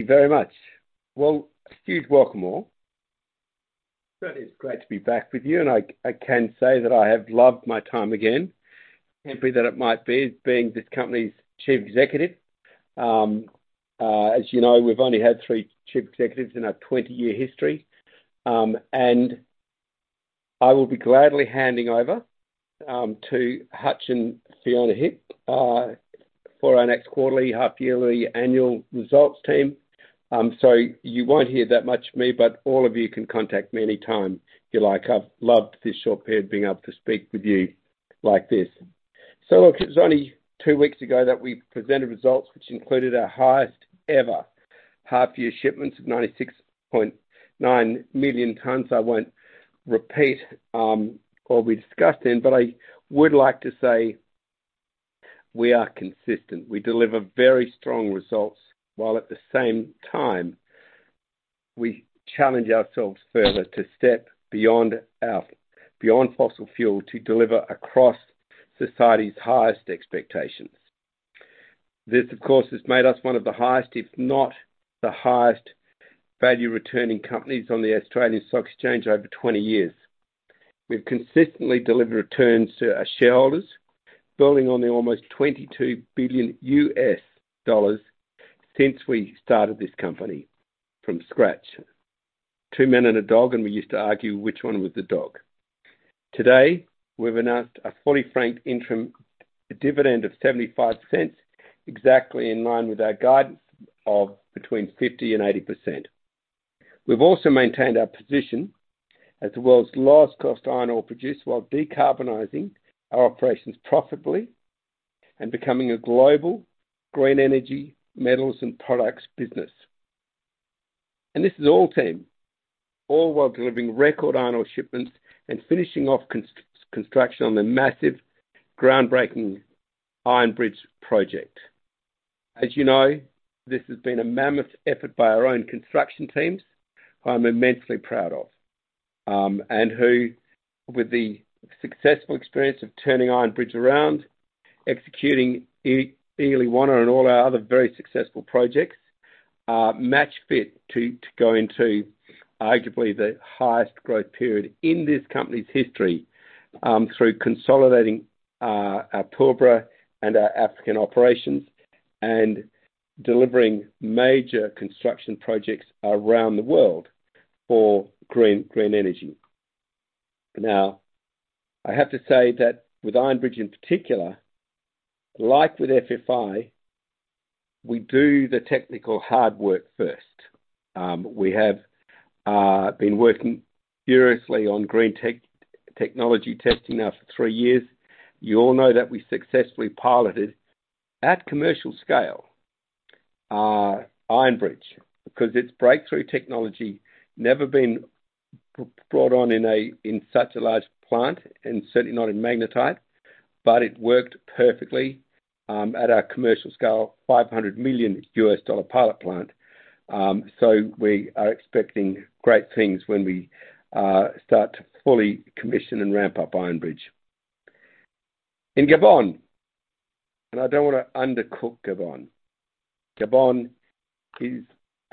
Thank you very much. Well, a huge welcome all. It's great to be back with you, and I can say that I have loved my time again, temporary that it might be, as being this company's chief executive. As you know, we've only had three chief executives in our 20-year history. And I will be gladly handing over to Hutch and Fiona Hick for our next quarterly, half-yearly annual results team. You won't hear that much of me, but all of you can contact me any time you like. I've loved this short period being able to speak with you like this. Look, it was only two weeks ago that we presented results, which included our highest ever half-year shipments of 96.9 million tons. I won't repeat what we discussed then, but I would like to say we are consistent. We deliver very strong results, while at the same time, we challenge ourselves further to step beyond fossil fuel to deliver across society's highest expectations. This, of course, has made us one of the highest, if not the highest, value-returning companies on the Australian Securities Exchange over 20 years. We've consistently delivered returns to our shareholders, building on the almost $22 billion since we started this company from scratch. Two men and a dog, and we used to argue which one was the dog. Today, we've announced a fully franked interim dividend of 0.75, exactly in line with our guidance of between 50% and 80%. We've also maintained our position as the world's lowest cost iron ore producer, while decarbonizing our operations profitably and becoming a global green energy, metals and products business. This is all team, all while delivering record iron ore shipments and finishing off construction on the massive groundbreaking Iron Bridge project. As you know, this has been a mammoth effort by our own construction teams, who I'm immensely proud of, and who, with the successful experience of turning Iron Bridge around, executing Eliwana and all our other very successful projects, are match fit to go into arguably the highest growth period in this company's history, through consolidating our Pilbara and our African operations and delivering major construction projects around the world for green energy. Now, I have to say that with Iron Bridge in particular, like with FFI, we do the technical hard work first. We have been working furiously on green technology testing now for three years. You all know that we successfully piloted, at commercial scale, Iron Bridge because it's breakthrough technology, never been brought on in such a large plant and certainly not in magnetite, but it worked perfectly at our commercial scale, $500 million pilot plant. We are expecting great things when we start to fully commission and ramp up Iron Bridge. In Gabon, I don't wanna undercook Gabon. Gabon is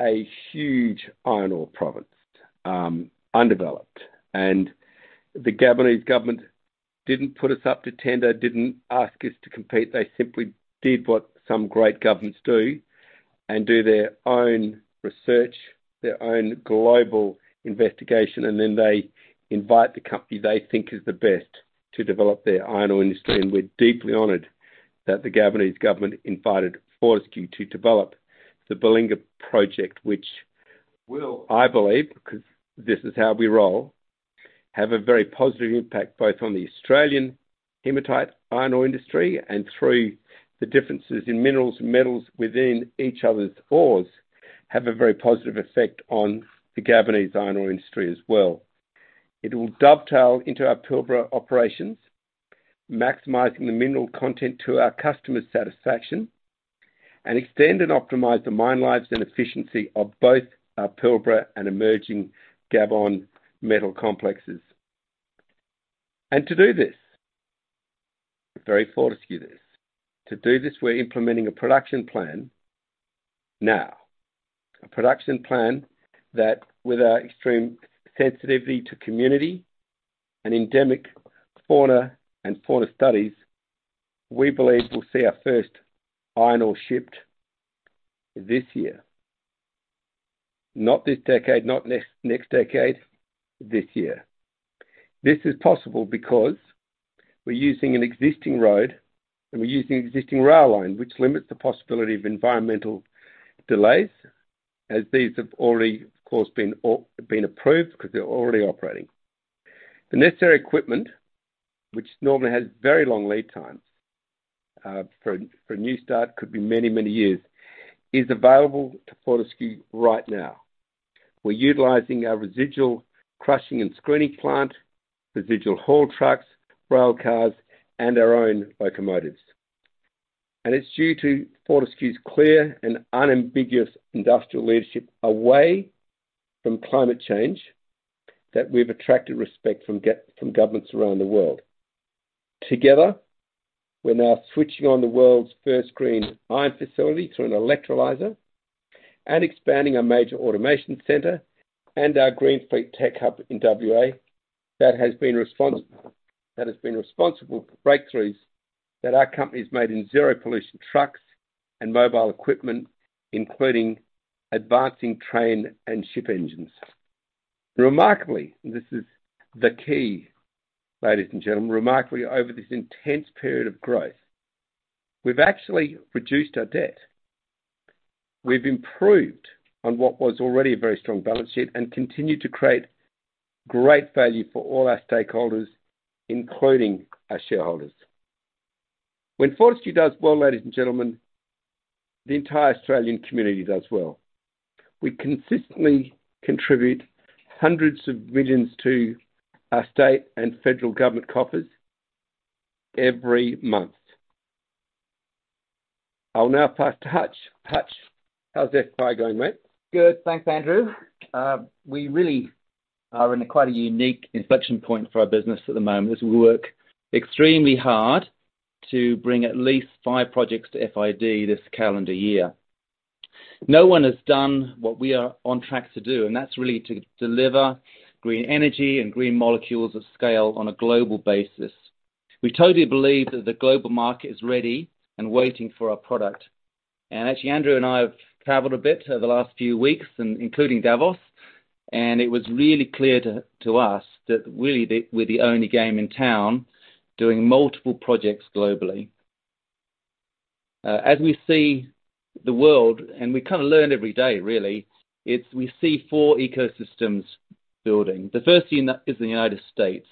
a huge iron ore province, undeveloped. The Gabonese government didn't put us up to tender, didn't ask us to compete. They simply did what some great governments do and do their own research, their own global investigation, and then they invite the company they think is the best to develop their iron ore industry. We're deeply honored that the Gabonese government invited Fortescue to develop the Belinga project, which will, I believe, 'cause this is how we roll, have a very positive impact both on the Australian hematite iron ore industry and through the differences in minerals and metals within each other's ores, have a very positive effect on the Gabonese iron ore industry as well. It will dovetail into our Pilbara operations, maximizing the mineral content to our customers' satisfaction and extend and optimize the mine lives and efficiency of both our Pilbara and emerging Gabon metal complexes. To do this, very Fortescue this, to do this, we're implementing a production plan now. A production plan that with our extreme sensitivity to community and endemic fauna and fauna studies, we believe we'll see our first iron ore shipped this year. Not this decade, not next decade, this year. This is possible because we're using an existing road and we're using an existing rail line, which limits the possibility of environmental delays, as these have already, of course, been approved because they're already operating. The necessary equipment, which normally has very long lead times, for a new start could be many, many years, is available to Fortescue right now. We're utilizing our residual crushing and screening plant, residual haul trucks, rail cars, and our own locomotives. It's due to Fortescue's clear and unambiguous industrial leadership away from climate change that we've attracted respect from governments around the world. Together, we're now switching on the world's first green iron facility through an electrolyzer and expanding a major automation center and our green fleet tech hub in WA that has been responsible for breakthroughs that our company's made in zero pollution trucks and mobile equipment, including advancing train and ship engines. Remarkably, this is the key, ladies and gentlemen. Remarkably, over this intense period of growth, we've actually reduced our debt. We've improved on what was already a very strong balance sheet and continue to create great value for all our stakeholders, including our shareholders. When Fortescue does well, ladies and gentlemen, the entire Australian community does well. We consistently contribute hundreds of millions to our state and federal government coffers every month. I'll now pass to Hutch. Hutch, how's FFI going, mate? Good. Thanks, Andrew. We really are in a quite a unique inflection point for our business at the moment as we work extremely hard to bring at least five projects to FID this calendar year. No one has done what we are on track to do, and that's really to deliver green energy and green molecules of scale on a global basis. We totally believe that the global market is ready and waiting for our product. Actually, Andrew and I have traveled a bit over the last few weeks, including Davos, and it was really clear to us that really we're the only game in town doing multiple projects globally. As we see the world, and we kind of learn every day really, it's we see four ecosystems building. The first is the United States,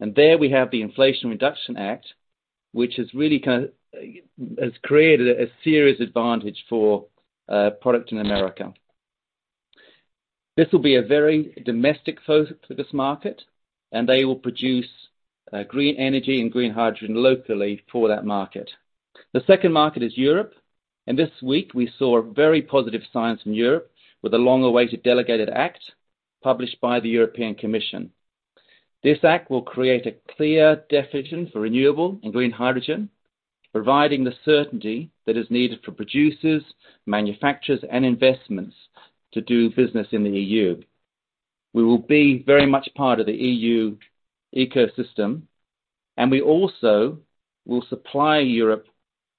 and there we have the Inflation Reduction Act, which has really created a serious advantage for product in America. This will be a very domestic focus for this market, and they will produce green energy and green hydrogen locally for that market. The second market is Europe, and this week we saw a very positive science in Europe with a long-awaited Delegated Act published by the European Commission. This act will create a clear definition for renewable and green hydrogen, providing the certainty that is needed for producers, manufacturers, and investments to do business in the EU. We will be very much part of the EU ecosystem, and we also will supply Europe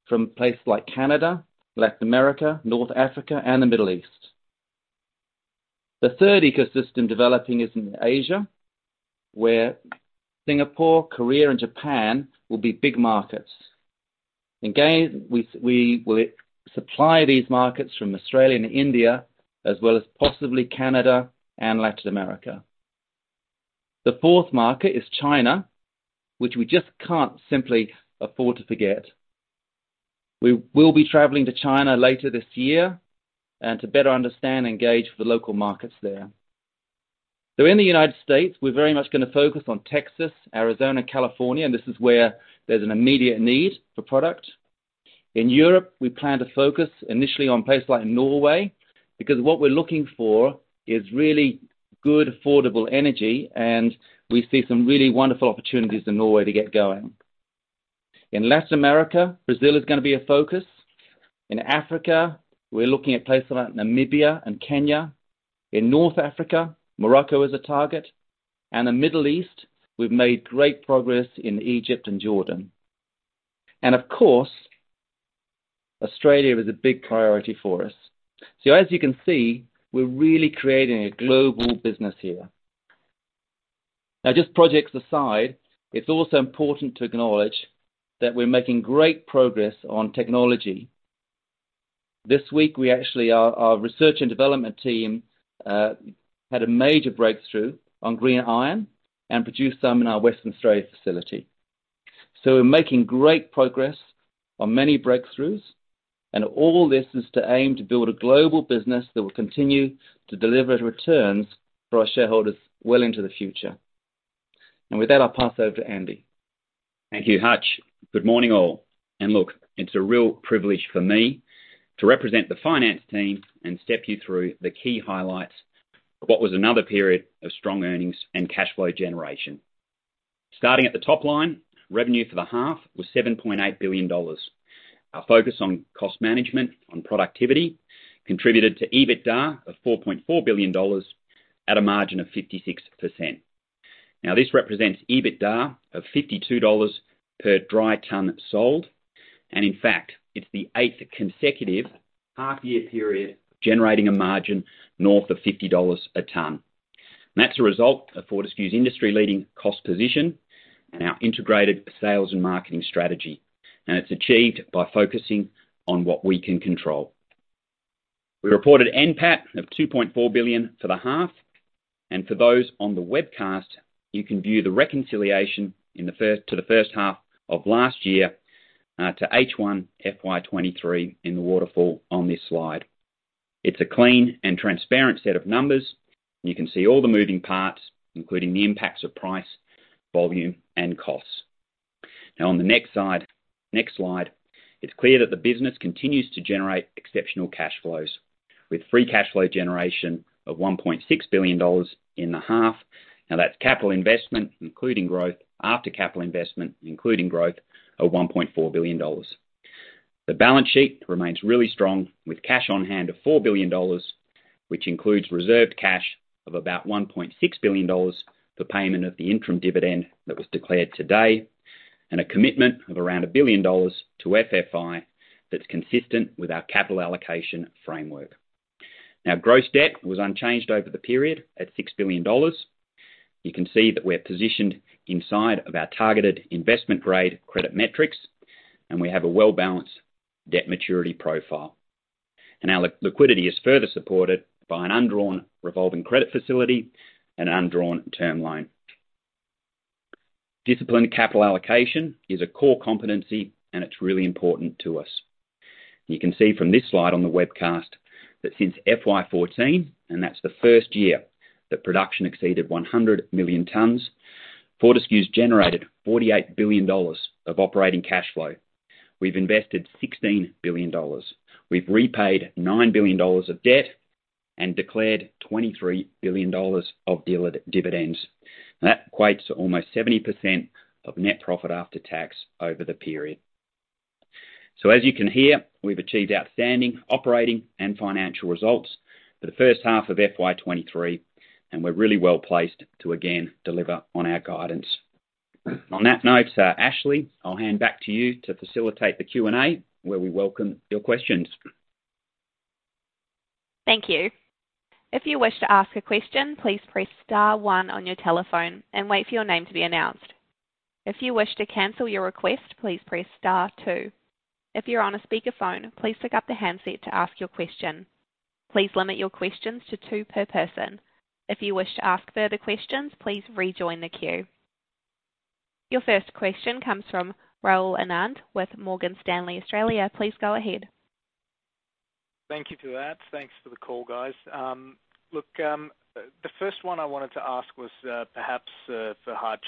from places like Canada, Latin America, North Africa, and the Middle East. The third ecosystem developing is in Asia, where Singapore, Korea, and Japan will be big markets. Again, we will supply these markets from Australia and India, as well as possibly Canada and Latin America. The fourth market is China, which we just can't simply afford to forget. We will be traveling to China later this year and to better understand and engage with the local markets there. In the United States, we're very much gonna focus on Texas, Arizona, California, and this is where there's an immediate need for product. In Europe, we plan to focus initially on places like Norway because what we're looking for is really good, affordable energy, and we see some really wonderful opportunities in Norway to get going. In Latin America, Brazil is gonna be a focus. In Africa, we're looking at places like Namibia and Kenya. In North Africa, Morocco is a target. The Middle East, we've made great progress in Egypt and Jordan. Of course, Australia is a big priority for us. As you can see, we're really creating a global business here. Now, just projects aside, it's also important to acknowledge that we're making great progress on technology. This week, our research and development team had a major breakthrough on green iron and produced some in our Western Australia facility. We're making great progress on many breakthroughs, and all this is to aim to build a global business that will continue to deliver returns for our shareholders well into the future. With that, I'll pass over to Andy. Thank you, Hutch. Good morning, all. Look, it's a real privilege for me to represent the finance team and step you through the key highlights of what was another period of strong earnings and cash flow generation. Starting at the top line, revenue for the half was $7.8 billion. Our focus on cost management, on productivity contributed to EBITDA of $4.4 billion at a margin of 56%. Now, this represents EBITDA of $52 per dry ton sold, and in fact, it's the eighth consecutive half-year period generating a margin north of $50 a ton. That's a result of Fortescue's industry-leading cost position and our integrated sales and marketing strategy, and it's achieved by focusing on what we can control. We reported NPAT of $2.4 billion for the half. For those on the webcast, you can view the reconciliation to the first half of last year, to H1 FY23 in the waterfall on this slide. It's a clean and transparent set of numbers. You can see all the moving parts, including the impacts of price, volume, and costs. On the next slide, it's clear that the business continues to generate exceptional cash flows. With free cash flow generation of $1.6 billion in the half. That's capital investment, including growth after capital investment, including growth of $1.4 billion. The balance sheet remains really strong, with cash on hand of $4 billion, which includes reserved cash of about $1.6 billion for payment of the interim dividend that was declared today, and a commitment of around $1 billion to FFI that's consistent with our capital allocation framework. Gross debt was unchanged over the period at $6 billion. You can see that we're positioned inside of our targeted investment grade credit metrics, and we have a well-balanced debt maturity profile. Our liquidity is further supported by an undrawn revolving credit facility and undrawn term loan. Disciplined capital allocation is a core competency, and it's really important to us. You can see from this slide on the webcast that since FY14, and that's the first year that production exceeded 100 million tons, Fortescue's generated $48 billion of operating cash flow. We've invested $16 billion. We've repaid $9 billion of debt and declared $23 billion of dividends. That equates to almost 70% of net profit after tax over the period. As you can hear, we've achieved outstanding operating and financial results for the first half of FY23, and we're really well-placed to again deliver on our guidance. On that note, Ashleigh, I'll hand back to you to facilitate the Q&A, where we welcome your questions. Thank you. If you wish to ask a question, please press star one on your telephone and wait for your name to be announced. If you wish to cancel your request, please press star two. If you're on a speakerphone, please pick up the handset to ask your question. Please limit your questions to two per person. If you wish to ask further questions, please rejoin the queue. Your first question comes from Rahul Anand with Morgan Stanley Australia. Please go ahead. Thank you for that. Thanks for the call, guys. Look, the first one I wanted to ask was, perhaps, for Hutch.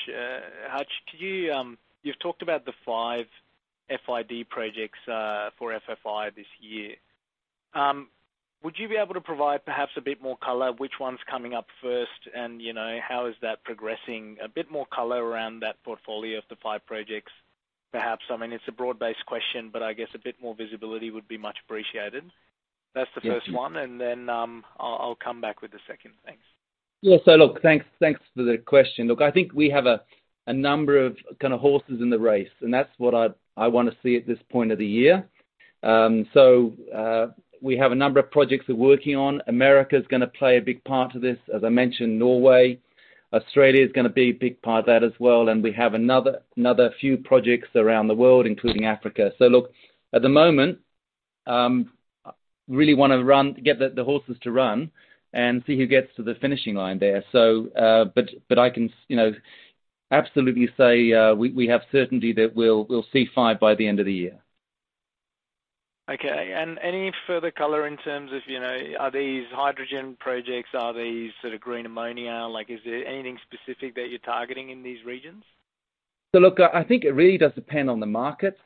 Hutch, you've talked about the five FID projects for FFI this year. Would you be able to provide perhaps a bit more color which one's coming up first and, you know, how is that progressing? A bit more color around that portfolio of the five projects, perhaps. I mean, it's a broad-based question, but I guess a bit more visibility would be much appreciated. That's the first one. Yes. I'll come back with the second. Thanks. Look, thanks for the question. Look, I think we have a number of kind of horses in the race, and that's what I wanna see at this point of the year. We have a number of projects we're working on. America's gonna play a big part of this. As I mentioned, Norway. Australia's gonna be a big part of that as well, and we have another few projects around the world, including Africa. Look, at the moment, really wanna run, get the horses to run and see who gets to the finishing line there. I can you know, absolutely say, we have certainty that we'll see five by the end of the year. Okay. Any further color in terms of, you know, are these hydrogen projects? Are these sort of green ammonia? Like, is there anything specific that you're targeting in these regions? Look, I think it really does depend on the markets.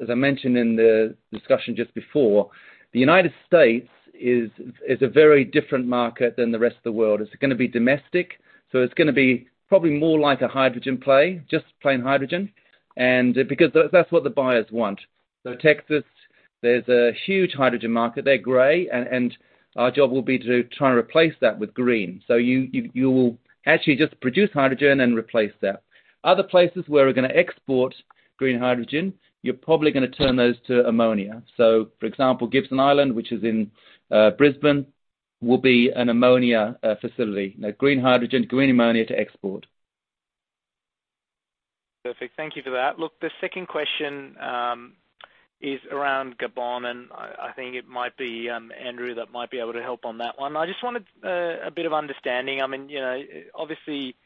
As I mentioned in the discussion just before, the United States is a very different market than the rest of the world. It's gonna be domestic, so it's gonna be probably more like a hydrogen play, just plain hydrogen, and because that's what the buyers want. Texas, there's a huge hydrogen market. They're gray, and our job will be to try and replace that with green. You will actually just produce hydrogen and replace that. Other places where we're gonna export green hydrogen, you're probably gonna turn those to ammonia. For example, Gibson Island, which is in Brisbane, will be an ammonia facility. Green hydrogen, green ammonia to export. Perfect. Thank you for that. The second question is around Gabon, and I think it might be Andrew that might be able to help on that one. I just wanted a bit of understanding. I mean, you know, obviously,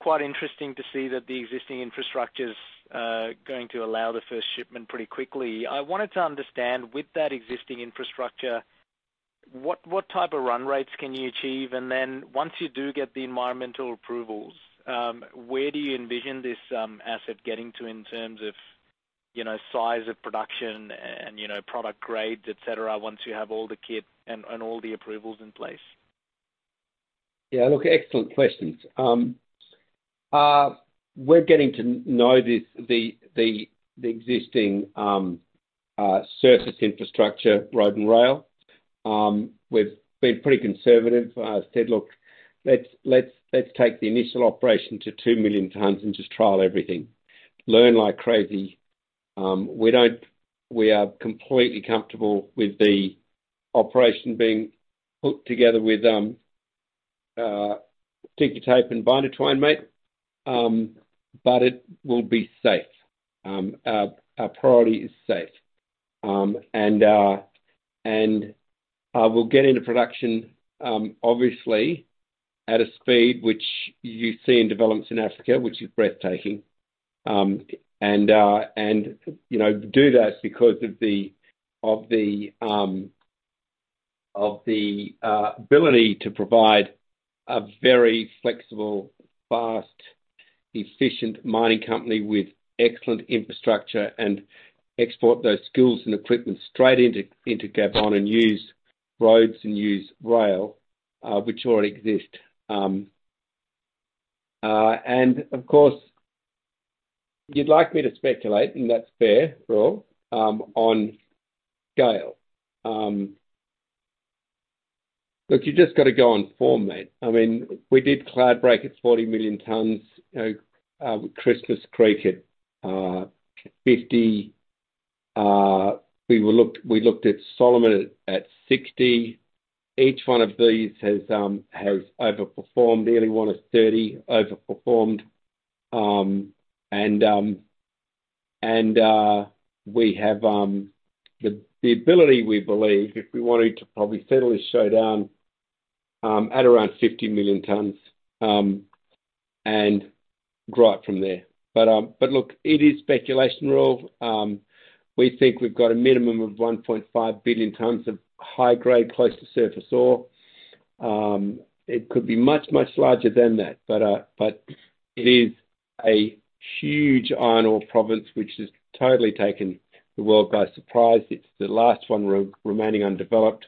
quite interesting to see that the existing infrastructure's going to allow the first shipment pretty quickly. I wanted to understand with that existing infrastructure, what type of run rates can you achieve? Then once you do get the environmental approvals, where do you envision this asset getting to in terms of, you know, size of production and, you know, product grades, et cetera, once you have all the kit and all the approvals in place? Yeah, look, excellent questions. We're getting to know this, the existing surface infrastructure road and rail. We've been pretty conservative. said, "Look, let's take the initial operation to 2 million tons and just trial everything. Learn like crazy." We are completely comfortable with the operation being put together with ticker tape and binder twine, mate, but it will be safe. Our priority is safe. and we'll get into production, obviously at a speed which you see in developments in Africa, which is breathtaking. You know, do that because of the ability to provide a very flexible, fast-efficient mining company with excellent infrastructure and export those skills and equipment straight into Gabon and use roads and use rail, which already exist. Of course, you'd like me to speculate, and that's fair, Raul, on scale. Look, you just gotta go on form, mate. I mean, we did Cloudbreak at 40 million tons, you know, with Christmas Creek at 50. We looked at Solomon at 60. Each one of these has overperformed. Eliwana is 30, overperformed. We have the ability, we believe, if we wanted to probably steadily show down at around 50 million tons and grow it from there. Look, it is speculation, Raul. We think we've got a minimum of 1.5 billion tons of high-grade close to surface ore. It could be much, much larger than that, but it is a huge iron ore province, which has totally taken the world by surprise. It's the last one remaining undeveloped.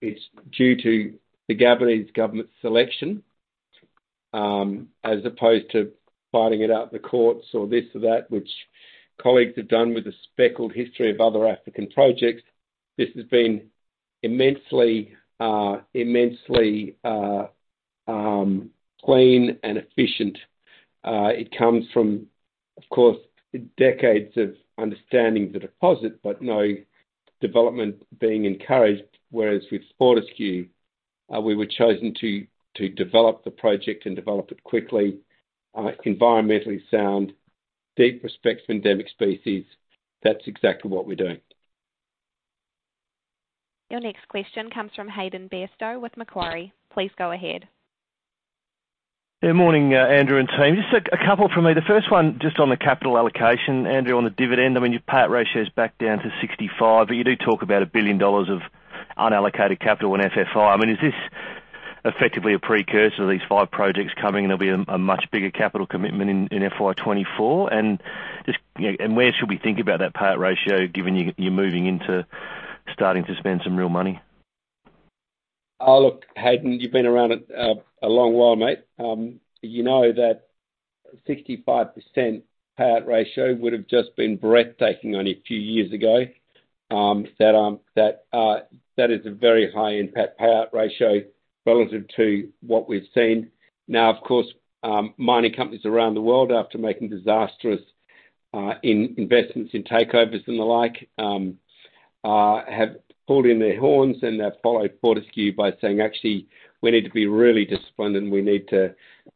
It's due to the Gabonese government selection as opposed to fighting it out in the courts or this or that, which colleagues have done with a speckled history of other African projects. This has been immensely clean and efficient. It comes from, of course, decades of understanding the deposit, no development being encouraged. With Fortescue, we were chosen to develop the project and develop it quickly, environmentally sound, deep respect for endemic species. That's exactly what we're doing. Your next question comes from Hayden Bairstow with Macquarie. Please go ahead. Morning, Andrew and team. Just a couple from me. The first one just on the capital allocation, Andrew, on the dividend. I mean, your payout ratio is back down to 65%, but you do talk about $1 billion of unallocated capital in FFI. I mean, is this effectively a precursor to these five projects coming, and there'll be a much bigger capital commitment in FY24? Just, you know, and where should we think about that payout ratio, given you're moving into starting to spend some real money? Look, Hayden, you've been around a long while, mate. You know that 65% payout ratio would have just been breathtaking only a few years ago. That is a very high impact payout ratio relative to what we've seen. Now, of course, mining companies around the world, after making disastrous investments in takeovers and the like, have pulled in their horns and have followed Fortescue by saying, "Actually, we need to be really disciplined, and we need to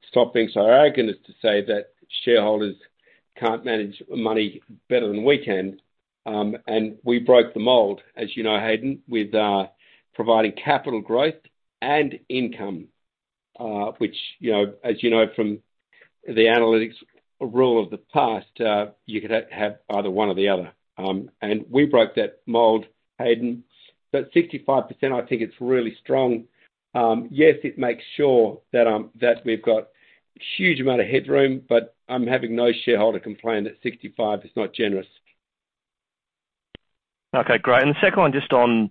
stop being so arrogant as to say that shareholders can't manage money better than we can." We broke the mold, as you know, Hayden, with providing capital growth and income, which, you know, as you know from the analytics rule of the past, you could have either one or the other. We broke that mold, Hayden. 65%, I think it's really strong. Yes, it makes sure that we've got huge amount of headroom. I'm having no shareholder complain that 65 is not generous. Okay, great. The second one just on,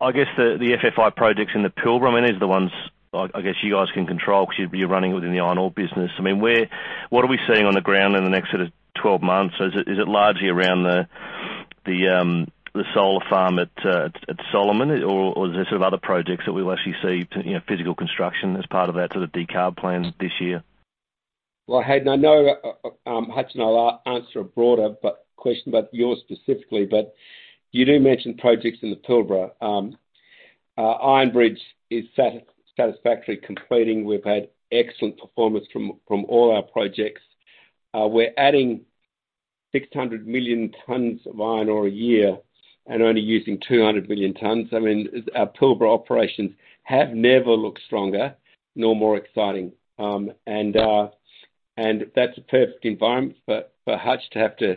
I guess, the FFI projects in the Pilbara. I mean, these are the ones I guess you guys can control 'cause you're running within the iron ore business. I mean, what are we seeing on the ground in the next sort of 12 months? Is it, is it largely around the solar farm at Solomon or is there sort of other projects that we'll actually see, you know, physical construction as part of that sort of decarb plan this year? Well, Hayden, I know Hutch and I'll answer a broader question, but yours specifically, but you do mention projects in the Pilbara. Iron Bridge is satisfactory completing. We've had excellent performance from all our projects. We're adding 600 million tons of iron ore a year and only using 200 million tons. I mean, our Pilbara operations have never looked stronger nor more exciting. That's a perfect environment for Hutch to have to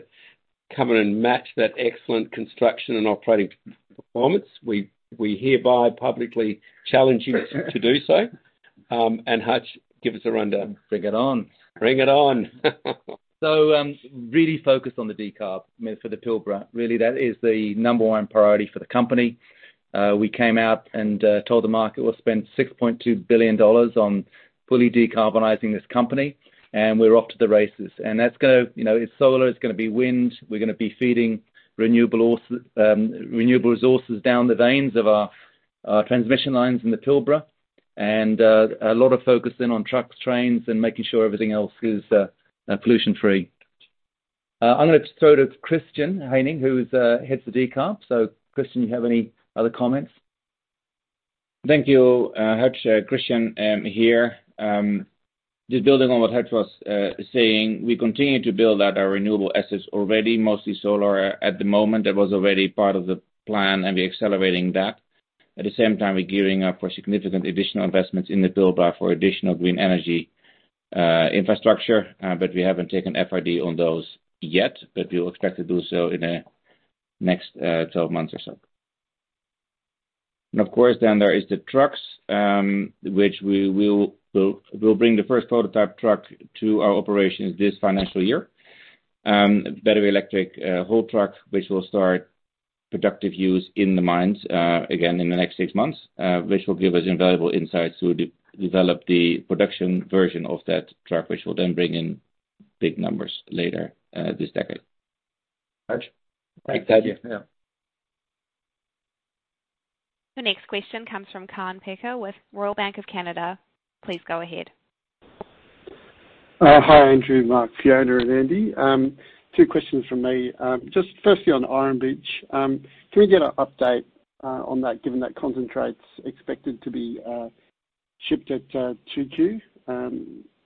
come in and match that excellent construction and operating performance. We hereby publicly challenge you to do so. Hutch, give us a rundown. Bring it on. Bring it on. So, really focused on the decarb, I mean, for the Pilbara. Really, that is the number one priority for the company. We came out and told the market we'll spend $6.2 billion on fully decarbonizing this company, and we're off to the races. That's gonna, you know, it's solar, it's gonna be wind. We're gonna be feeding renewable resources down the veins of our transmission lines in the Pilbara. A lot of focus in on trucks, trains, and making sure everything else is pollution-free. I'm gonna throw to Christiaan Heyning, who's heads the decarb. Christiaan, you have any other comments? Thank you, Hutch. Christiaan, here. Just building on what Hutch was saying, we continue to build out our renewable assets already, mostly solar at the moment. That was already part of the plan, and we're accelerating that. At the same time, we're gearing up for significant additional investments in the Pilbara for additional green energy infrastructure, but we haven't taken FID on those yet, but we will expect to do so in the next 12 months or so. Of course, there is the trucks, which we'll bring the first prototype truck to our operations this financial year. Battery electric, whole truck, which will start productive use in the mines, again in the next six months, which will give us invaluable insights to de-develop the production version of that truck, which will then bring in big numbers later, this decade. Thanks. Thanks, Hayden. Yeah. The next question comes from Kaan Peker with Royal Bank of Canada. Please go ahead. Hi, Andrew, Mark, Fiona, and Andy. Two questions from me. Just firstly on Iron Bridge, can we get an update on that, given that concentrate's expected to be shipped at 2Q?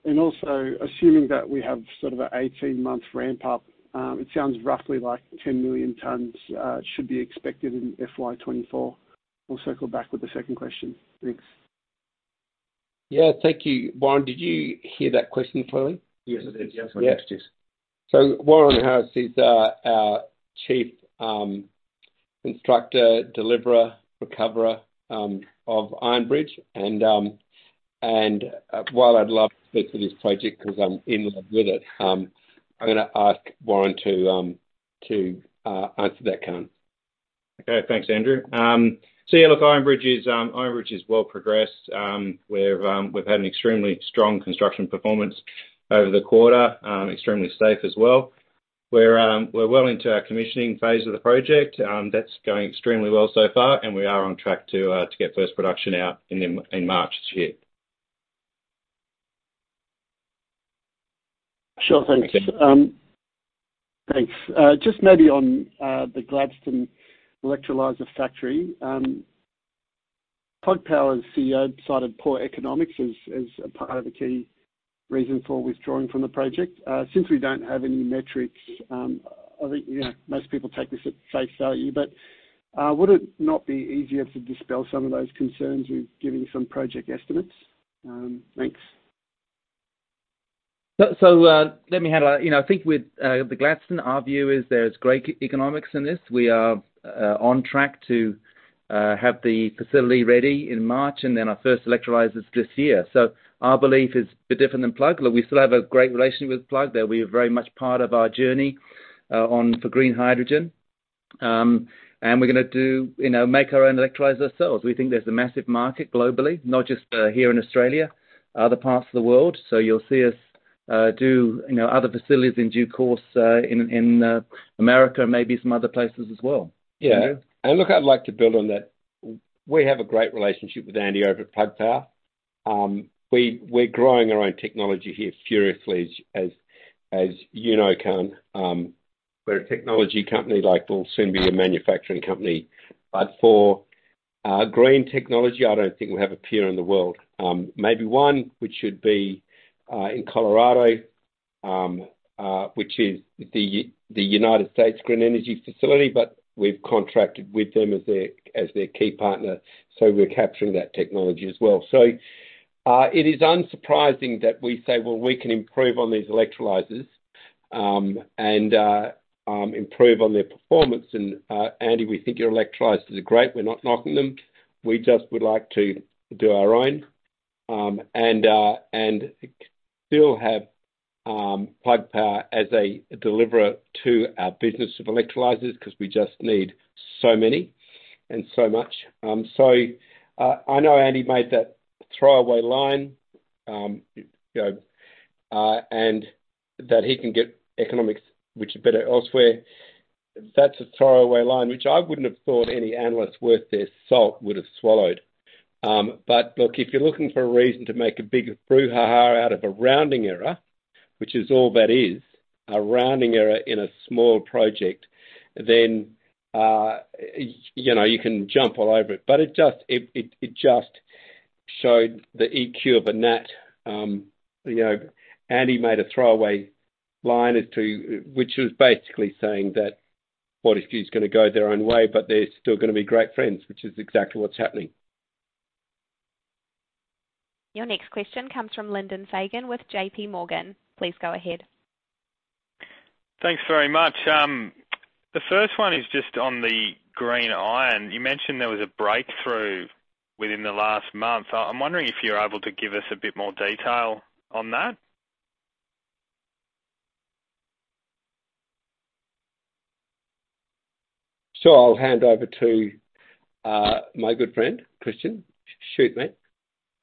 Also assuming that we have sort of a 18-month ramp up, it sounds roughly like 10 million tons should be expected in FY24. We'll circle back with the second question. Thanks. Thank you. Warren, did you hear that question clearly? Yes, I did. Yeah. Yes, I did. Warren Harris is our chief, instructor, deliverer, recoverer, of Iron Bridge. While I'd love to speak to this project 'cause I'm in love with it, I'm gonna ask Warren to, answer that, Kaan. Okay. Thanks, Andrew. Yeah, look, Iron Bridge is well progressed. We've had an extremely strong construction performance over the quarter, extremely safe as well. We're well into our commissioning phase of the project. That's going extremely well so far, we are on track to get first production out in March this year. Sure. Thanks. Thanks. Just maybe on the Gladstone electrolyzer factory, Plug Power's CEO cited poor economics as a part of the key reason for withdrawing from the project. Since we don't have any metrics, I think, you know, most people take this at face value. Would it not be easier to dispel some of those concerns with giving some project estimates? Thanks. Let me handle that. You know, I think with the Gladstone, our view is there's great e-economics in this. We are on track to have the facility ready in March and then our first electrolyzers this year. Our belief is a bit different than Plug. Look, we still have a great relationship with Plug. They'll be very much part of our journey for green hydrogen. We're gonna do, you know, make our own electrolyzers ourselves. We think there's a massive market globally, not just here in Australia, other parts of the world. You'll see us do, you know, other facilities in due course in in America, maybe some other places as well. Yeah. Mm-hmm. Look, I'd like to build on that. We have a great relationship with Andy over at Plug Power. We're growing our own technology here furiously as you know, Kaan. We're a technology company, like we'll soon be a manufacturing company. For green technology, I don't think we have a peer in the world. Maybe one, which should be in Colorado, which is the United States Green Energy Facility, but we've contracted with them as their key partner, so we're capturing that technology as well. It is unsurprising that we say, well, we can improve on these electrolyzers and improve on their performance. Andy, we think your electrolyzers are great. We're not knocking them. We just would like to do our own, and still have Plug Power as a deliverer to our business of electrolyzers 'cause we just need so many and so much. I know Andy made that throwaway line, you know, and that he can get economics which are better elsewhere. That's a throwaway line which I wouldn't have thought any analyst worth their salt would have swallowed. Look, if you're looking for a reason to make a big brouhaha out of a rounding error, which is all that is, a rounding error in a small project, you know, you can jump all over it. It just showed the EQ of a gnat, you know, Andy made a throwaway line as to which was basically saying that Fortescue's gonna go their own way, but they're still gonna be great friends, which is exactly what's happening. Your next question comes from Lyndon Fagan with J.P. Morgan. Please go ahead. Thanks very much. The first one is just on the green iron. You mentioned there was a breakthrough within the last month. I'm wondering if you're able to give us a bit more detail on that. I'll hand over to my good friend, Christiaan Heyning. Shoot, mate.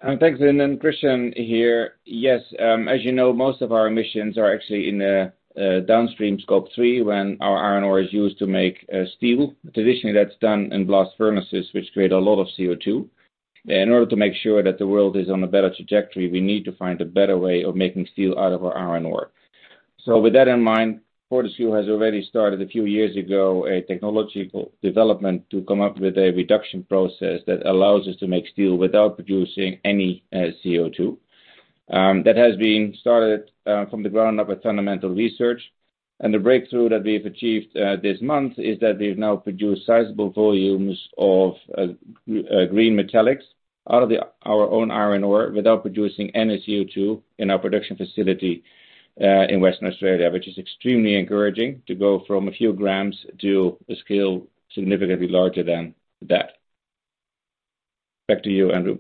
Thanks. Christiaan here. Yes, as you know, most of our emissions are actually in downstream Scope 3 when our iron ore is used to make steel. Traditionally, that's done in blast furnaces, which create a lot of CO2. In order to make sure that the world is on a better trajectory, we need to find a better way of making steel out of our iron ore. With that in mind, Fortescue has already started a few years ago, a technological development to come up with a reduction process that allows us to make steel without producing any CO2. That has been started from the ground up with fundamental research. The breakthrough that we've achieved this month is that we've now produced sizable volumes of green metallics Our own iron ore without producing any CO2 in our production facility, in Western Australia, which is extremely encouraging to go from a few grams to a scale significantly larger than that. Back to you, Andrew.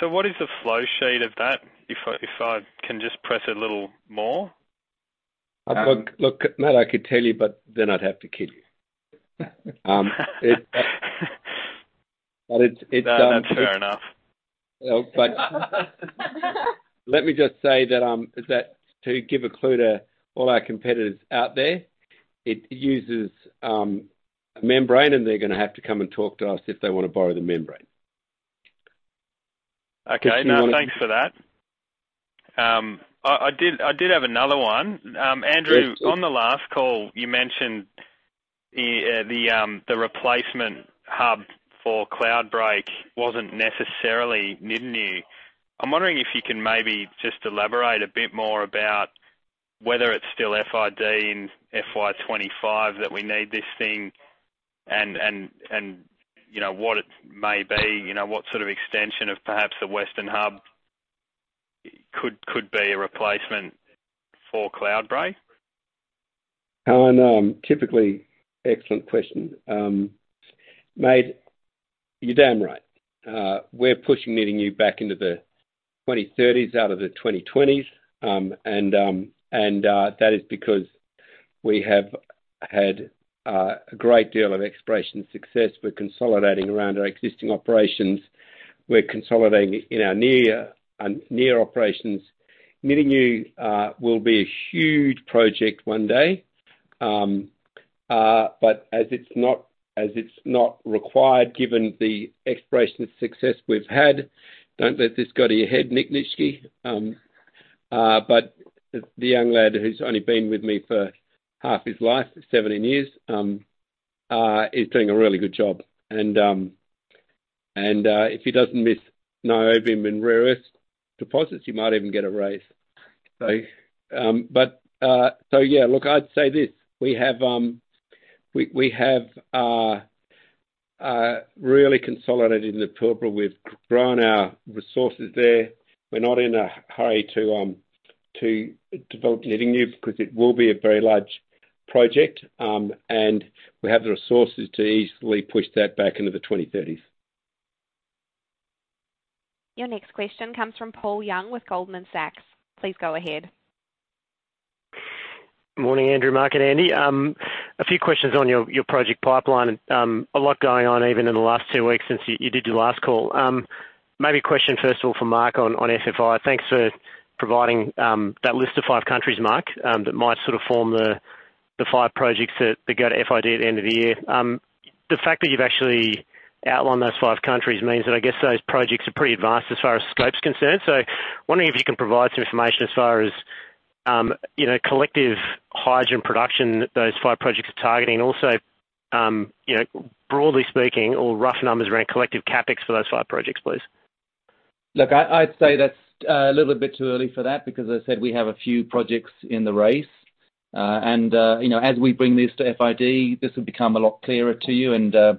So what is the flow sheet of that? If I can just press a little more. Look, Matt, I could tell you, but then I'd have to kill you. No, that's fair enough. Let me just say that to give a clue to all our competitors out there, it uses a membrane, and they're gonna have to come and talk to us if they wanna borrow the membrane. Okay. If you wanna- No, thanks for that. I did have another one. Yes, please. Andrew, on the last call, you mentioned the replacement hub for Cloudbreak wasn't necessarily Nyidinghu. I'm wondering if you can maybe just elaborate a bit more about whether it's still FID in FY25 that we need this thing and you know, what it may be, you know, what sort of extension of perhaps the western hub could be a replacement for Cloudbreak? Oh, no, typically excellent question. Mate, you're damn right. We're pushing Nyidinghu back into the 2030s out of the 2020s. That is because we have had a great deal of exploration success. We're consolidating around our existing operations. We're consolidating in our near operations. Nyidinghu will be a huge project one day. As it's not required, given the exploration success we've had, don't let this go to your head, Nick Nistchke. The young lad who's only been with me for half his life, 17 years, is doing a really good job. If he doesn't miss niobium and rare earth deposits, he might even get a raise. Yeah, look, I'd say this. We have really consolidated in the Pilbara. We've grown our resources there. We're not in a hurry to develop Nyidinghu because it will be a very large project, and we have the resources to easily push that back into the 2030s. Your next question comes from Paul Young with Goldman Sachs. Please go ahead. Morning, Andrew, Mark, and Andy. A few questions on your project pipeline. A lot going on even in the last two weeks since you did your last call. Maybe a question first of all for Mark on FFI. Thanks for providing that list of five countries, Mark, that might sort of form the five projects that go to FID at the end of the year. The fact that you've actually outlined those five countries means that I guess those projects are pretty advanced as far as scope's concerned. Wondering if you can provide some information as far as, you know, collective hydrogen production that those five projects are targeting and also, you know, broadly speaking or rough numbers around collective CapEx for those five projects, please? Look, I'd say that's a little bit too early for that because as I said, we have a few projects in the race. You know, as we bring this to FID, this will become a lot clearer to you.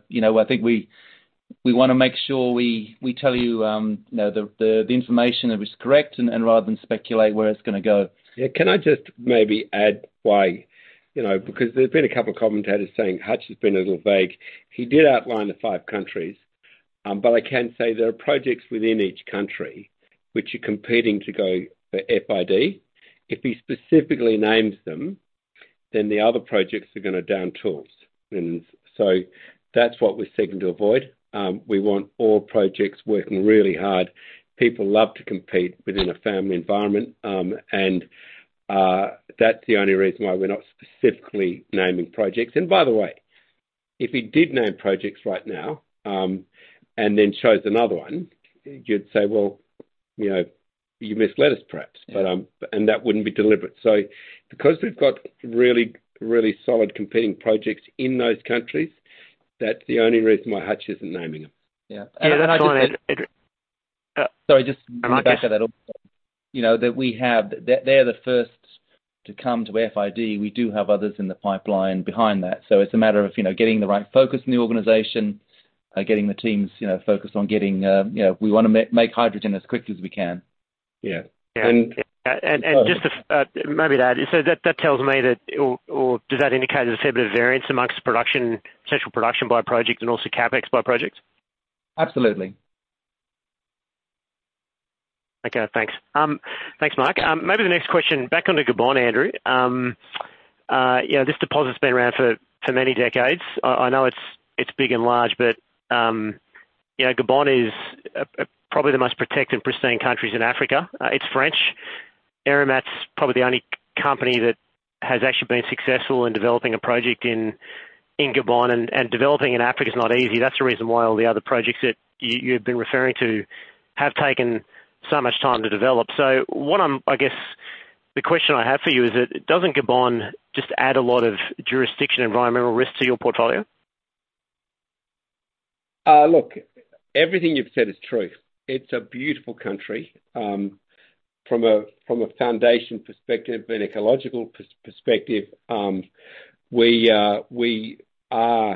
You know, I think we wanna make sure we tell you know, the information that is correct and rather than speculate where it's gonna go. Yeah. Can I just maybe add why? You know, there's been a couple of commentators saying Hutch has been a little vague. He did outline the five countries. I can say there are projects within each country which are competing to go for FID. If he specifically names them, then the other projects are gonna down tools. That's what we're seeking to avoid. We want all projects working really hard. People love to compete within a family environment. That's the only reason why we're not specifically naming projects. By the way, if he did name projects right now, and then chose another one, you'd say, "Well, you know, you misled us, perhaps. Yeah. That wouldn't be deliberate. So because we've got really, really solid competing projects in those countries, that's the only reason why Hutch isn't naming them. Yeah. Sorry, Andrew. Sorry, just on the back of that also. Oh, Mark, yeah, shoot. You know, that we have. They are the first to come to FID. We do have others in the pipeline behind that. It's a matter of, you know, getting the right focus in the organization, getting the teams, you know, focused on getting, you know, we wanna make hydrogen as quickly as we can. Yeah. And- Just to, maybe that. That tells me that or does that indicate there's a fair bit of variance amongst production, potential production by project and also CapEx by project? Absolutely. Okay. Thanks. Thanks, Mark. Maybe the next question back onto Gabon, Andrew. You know, this deposit's been around for many decades. I know it's big and large. You know, Gabon is probably the most protected pristine countries in Africa. It's French. Eramet's probably the only company that has actually been successful in developing a project in Gabon and developing in Africa is not easy. That's the reason why all the other projects that you've been referring to have taken so much time to develop. I guess the question I have for you is that doesn't Gabon just add a lot of jurisdiction, environmental risk to your portfolio? Look, everything you've said is true. It's a beautiful country. From a foundation perspective and ecological perspective, we are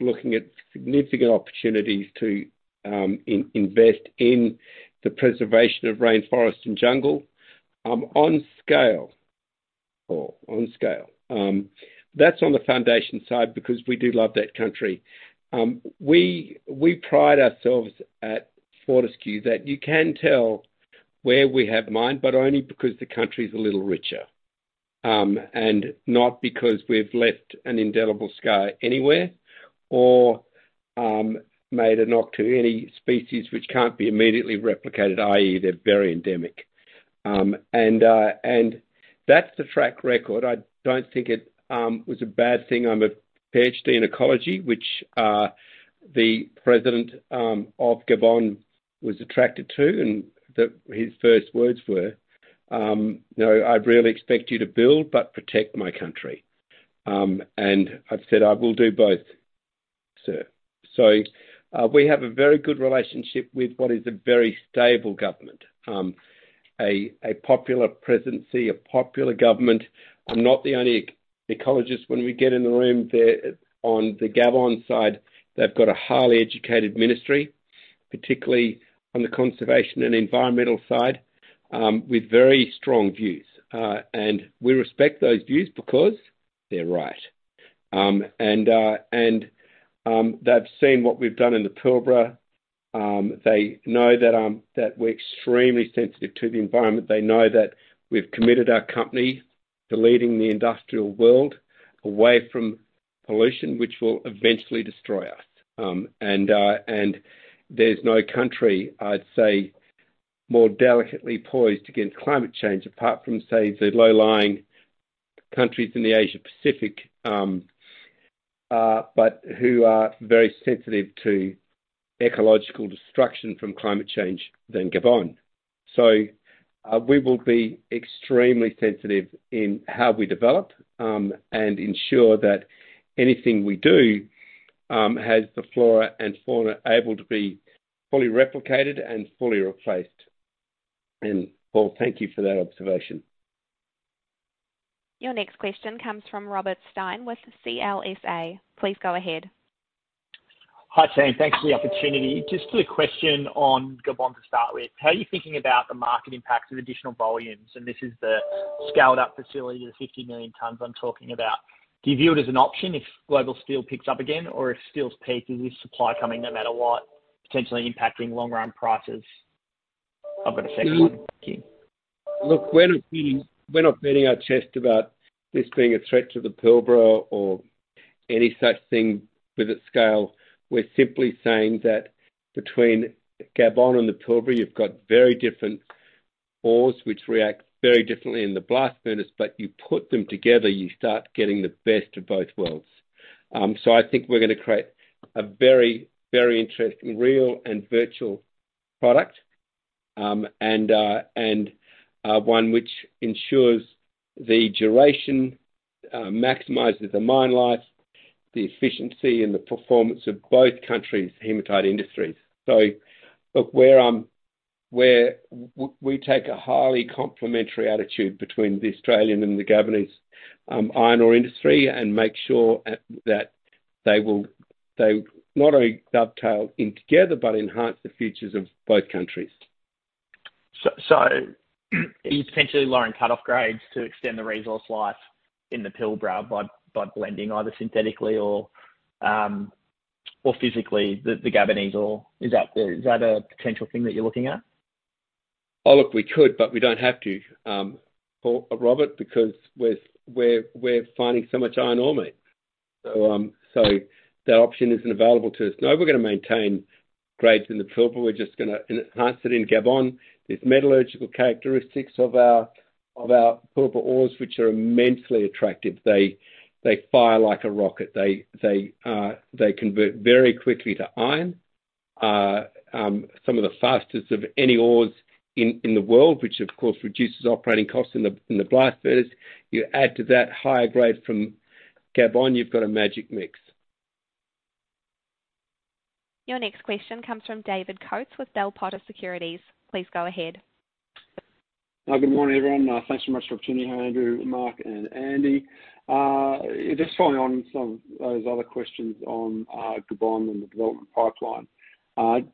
looking at significant opportunities to invest in the preservation of rainforest and jungle on scale. Paul, on scale. That's on the foundation side because we do love that country. We pride ourselves at Fortescue that you can tell where we have mined, but only because the country's a little richer. Not because we've left an indelible scar anywhere or made a knock to any species which can't be immediately replicated, i.e., they're very endemic. That's the track record. I don't think it was a bad thing. I'm a PhD in ecology, which the president of Gabon was attracted to, his first words were, "You know, I really expect you to build but protect my country." I've said, "I will do both, sir." We have a very good relationship with what is a very stable government. A popular presidency, a popular government. I'm not the only ecologist. When we get in the room, they're on the Gabon side, they've got a highly educated ministry, particularly on the conservation and environmental side, with very strong views. We respect those views because they're right. They've seen what we've done in the Pilbara. They know that we're extremely sensitive to the environment. They know that we've committed our company to leading the industrial world away from pollution, which will eventually destroy us. There's no country, I'd say, more delicately poised against climate change, apart from, say, the low-lying countries in the Asia-Pacific, but who are very sensitive to ecological destruction from climate change than Gabon. We will be extremely sensitive in how we develop and ensure that anything we do has the flora and fauna able to be fully replicated and fully replaced. Paul, thank you for that observation. Your next question comes from Robert Stein with CLSA. Please go ahead. Hi, team. Thanks for the opportunity. Just a question on Gabon to start with. How are you thinking about the market impact of additional volumes? This is the scaled up facility, the 50 million tons I'm talking about. Do you view it as an option if global steel picks up again, or if steel's peaking with supply coming no matter what, potentially impacting long-run prices? I've got a second one. Thank you. We're not being, we're not beating our chest about this being a threat to the Pilbara or any such thing with its scale. We're simply saying that between Gabon and the Pilbara, you've got very different ores which react very differently in the blast furnace, but you put them together, you start getting the best of both worlds. I think we're gonna create a very, very interesting real and virtual product, and one which ensures the duration, maximizes the mine life, the efficiency and the performance of both countries' hematite industries. Where we take a highly complementary attitude between the Australian and the Gabonese iron ore industry, and make sure that they not only dovetail in together, but enhance the futures of both countries. So are you potentially lowering cut-off grades to extend the resource life in the Pilbara by blending either synthetically or physically the Gabonese ore? Is that a potential thing that you're looking at? Look, we could, but we don't have to, Robert, because we're finding so much iron ore, mate. That option isn't available to us. No, we're gonna maintain grades in the Pilbara. We're just gonna enhance it in Gabon. There's metallurgical characteristics of our Pilbara ores which are immensely attractive. They fire like a rocket. They convert very quickly to iron. Some of the fastest of any ores in the world, which of course reduces operating costs in the blast furnace. Add to that higher grade from Gabon, you've got a magic mix. Your next question comes from David Coates with Bell Potter Securities. Please go ahead. Good morning, everyone. Thanks so much for the opportunity. Hi, Andrew, Mark and Andy. Just following on some of those other questions on Gabon and the development pipeline.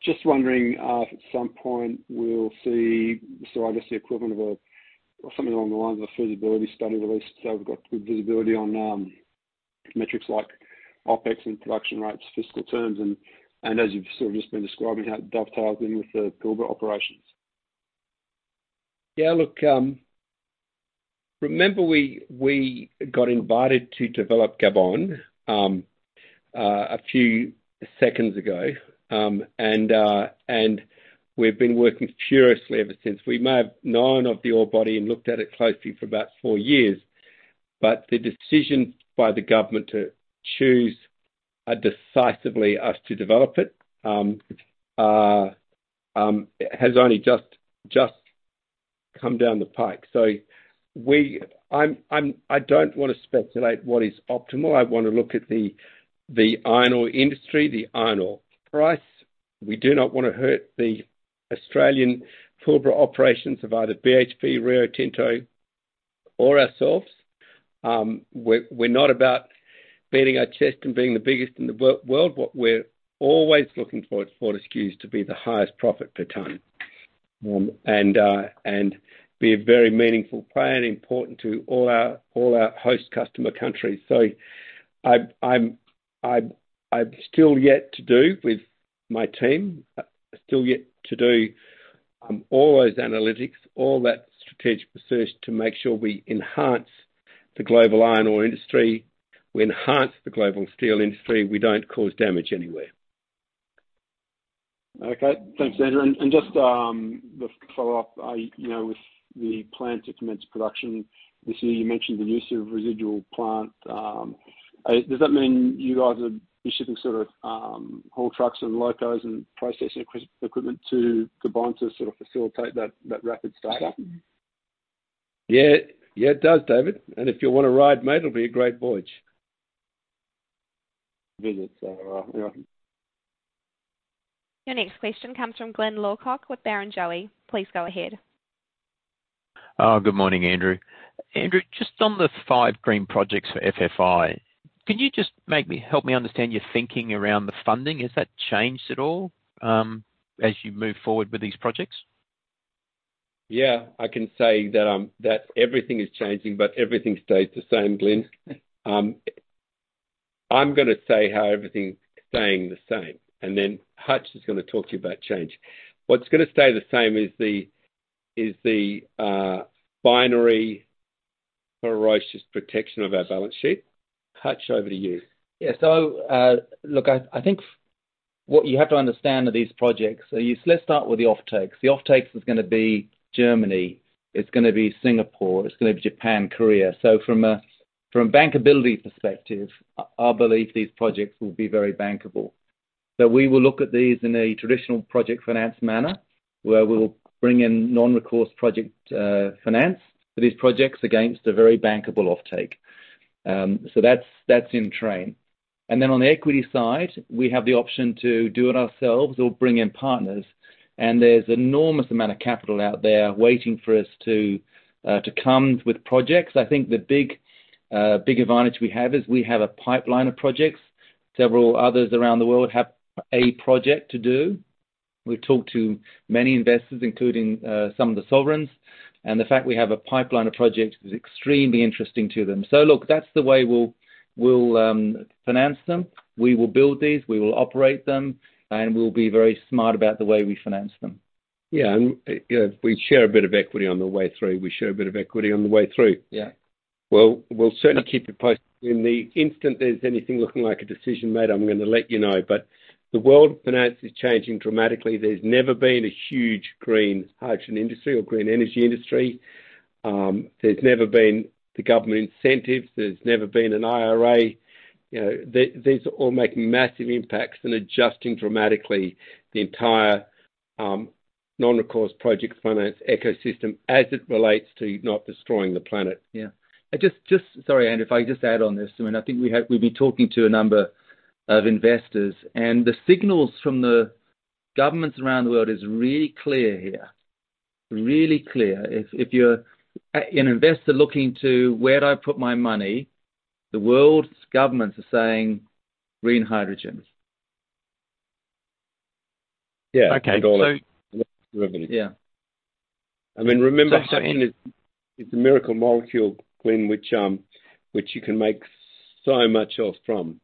Just wondering if at some point we'll see, so I guess the equivalent of or something along the lines of a feasibility study released, so we've got good visibility on metrics like OpEx and production rates, fiscal terms, and as you've sort of just been describing, how it dovetails in with the Pilbara operations. Yeah, look, remember we got invited to develop Gabon a few seconds ago. We've been working furiously ever since. We may have known of the ore body and looked at it closely for about four years, but the decision by the government to choose decisively us to develop it has only just come down the pipe. I don't wanna speculate what is optimal. I wanna look at the iron ore industry, the iron ore price. We do not wanna hurt the Australian Pilbara operations of either BHP, Rio Tinto or ourselves. We're not about beating our chest and being the biggest in the world. What we're always looking for at Fortescue is to be the highest profit per ton. Be a very meaningful player and important to all our, all our host customer countries. I've still yet to do with my team, I still yet to do all those analytics, all that strategic research to make sure we enhance the global iron ore industry, we enhance the global steel industry. We don't cause damage anywhere. Okay. Thanks, Andrew. Just to follow up, you know, with the plan to commence production this year, you mentioned the use of residual plant. Does that mean you guys are be shipping sort of whole trucks and locos and processing equipment to Gabon to sort of facilitate that rapid startup? Yeah. Yeah, it does, David. If you wanna ride, mate, it'll be a great voyage. Visit. yeah. Your next question comes from Glyn Lawcock with Barrenjoey. Please go ahead. Good morning, Andrew. Just on the five green projects for FFI, can you just help me understand your thinking around the funding? Has that changed at all, as you move forward with these projects? I can say that everything is changing, but everything stays the same, Glyn. I'm gonna say how everything's staying the same, and then Hutch is gonna talk to you about change. What's gonna stay the same is the binary ferocious protection of our balance sheet. Hutch, over to you. Look, I think what you have to understand are these projects. Let's start with the offtakes. The offtakes is going to be Germany, it's going to be Singapore, it's going to be Japan, Korea. From a, from a bankability perspective, I believe these projects will be very bankable. We will look at these in a traditional project finance manner, where we'll bring in non-recourse project finance for these projects against a very bankable offtake. That's, that's in train. Then on the equity side, we have the option to do it ourselves or bring in partners, and there's enormous amount of capital out there waiting for us to come with projects. I think the big advantage we have is we have a pipeline of projects. Several others around the world have a project to do. We've talked to many investors, including, some of the sovereigns, and the fact we have a pipeline of projects is extremely interesting to them. Look, that's the way we'll finance them. We will build these, we will operate them, and we'll be very smart about the way we finance them. Yeah. We share a bit of equity on the way through. Yeah. We'll certainly keep you posted. In the instant there's anything looking like a decision made, I'm gonna let you know. The world of finance is changing dramatically. There's never been a huge green hydrogen industry or green energy industry. There's never been the government incentives, there's never been an IRA. You know, these are all making massive impacts and adjusting dramatically the entire non-recourse project finance ecosystem as it relates to not destroying the planet. Yeah. Just, sorry, Andrew, if I just add on this. I mean, I think we've been talking to a number of investors. The signals from the governments around the world is really clear here. Really clear. If you're an investor looking to where do I put my money, the world's governments are saying green hydrogen. Yeah. Okay. All its derivatives- Yeah. I mean... So, so- It's a miracle molecule, Glyn, which you can make so much else from.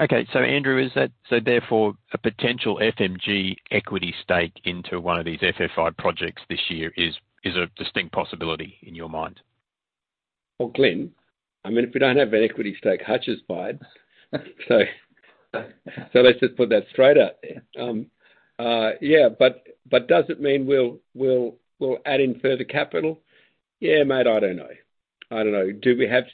Okay. Andrew, so therefore a potential FMG equity stake into one of these FFI projects this year is a distinct possibility in your mind? Glyn, I mean, if we don't have an equity stake, Hutch has mine. Let's just put that straight out there. Does it mean we'll add in further capital? Yeah, mate, I don't know. I don't know. Do we have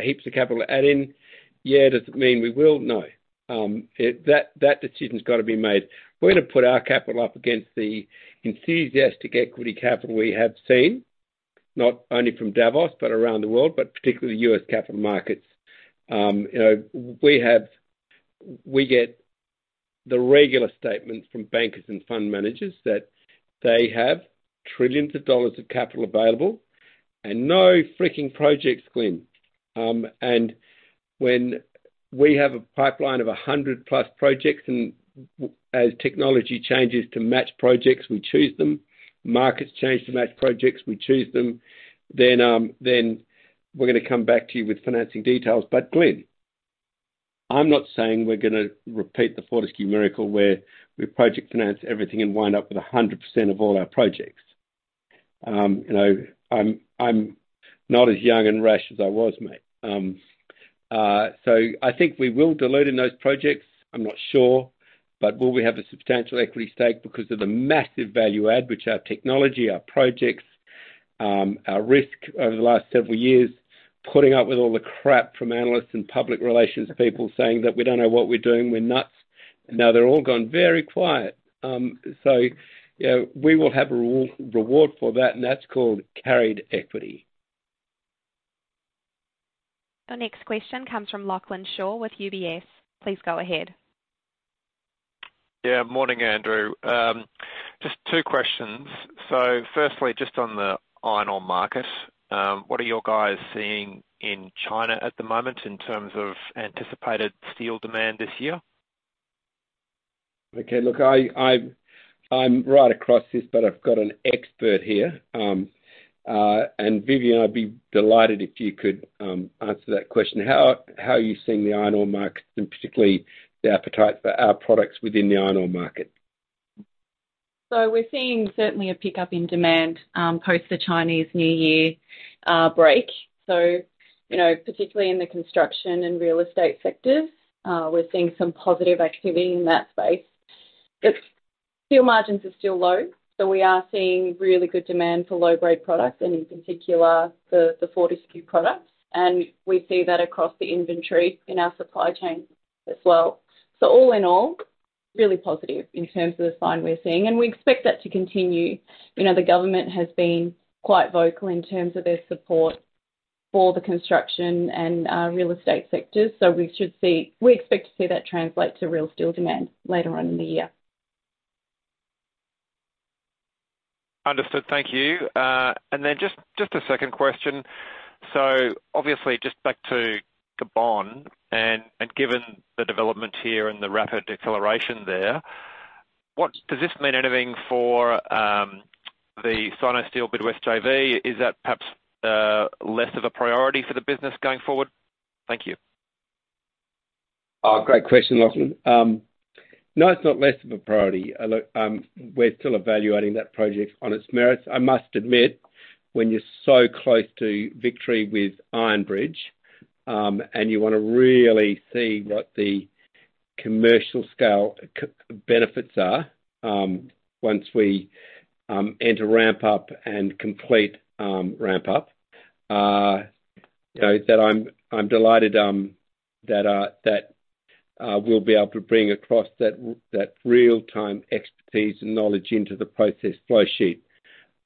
heaps of capital to add in? Yeah. Does it mean we will? No. That decision's gotta be made. We're gonna put our capital up against the enthusiastic equity capital we have seen, not only from Davos but around the world, but particularly US capital markets. You know, we get the regular statements from bankers and fund managers that they have trillions of dollars of capital available and no freaking projects, Glyn. When we have a pipeline of 100+ projects and as technology changes to match projects, we choose them. Markets change to match projects, we choose them. We're gonna come back to you with financing details. Glyn, I'm not saying we're gonna repeat the Fortescue miracle where we project finance everything and wind up with 100% of all our projects. you know, I'm not as young and rash as I was, mate. I think we will dilute in those projects, I'm not sure, but will we have a substantial equity stake because of the massive value add, which our technology, our projects, our risk over the last several years, putting up with all the crap from analysts and public relations people saying that we don't know what we're doing, we're nuts. Now they're all gone very quiet. you know, we will have a reward for that, and that's called carried equity. Your next question comes from Lachlan Shaw with UBS. Please go ahead. Yeah, morning, Andrew. Just two questions. Firstly, just on the iron ore market, what are your guys seeing in China at the moment in terms of anticipated steel demand this year? Okay. Look, I'm right across this, but I've got an expert here, and Vivienne, I'd be delighted if you could answer that question. How are you seeing the iron ore market, and particularly the appetite for our products within the iron ore market? We're seeing certainly a pickup in demand, post the Chinese New Year break. You know, particularly in the construction and real estate sectors, we're seeing some positive activity in that space. Steel margins are still low, we are seeing really good demand for low-grade products, and in particular for the Fortescue products. We see that across the inventory in our supply chain as well. All in all, really positive in terms of the sign we're seeing, and we expect that to continue. You know, the government has been quite vocal in terms of their support for the construction and real estate sectors. We expect to see that translate to real steel demand later on in the year. Understood. Thank you. Then just a second question. Obviously just back to Gabon, and given the development here and the rapid deceleration there, does this mean anything for the Sinosteel Midwest JV? Is that perhaps less of a priority for the business going forward? Thank you. Great question, Lachlan. No, it's not less of a priority. We're still evaluating that project on its merits. I must admit, when you're so close to victory with Iron Bridge, and you wanna really see what the commercial scale benefits are, once we enter ramp up and complete ramp up, you know, I'm delighted that we'll be able to bring across that real-time expertise and knowledge into the process flow sheet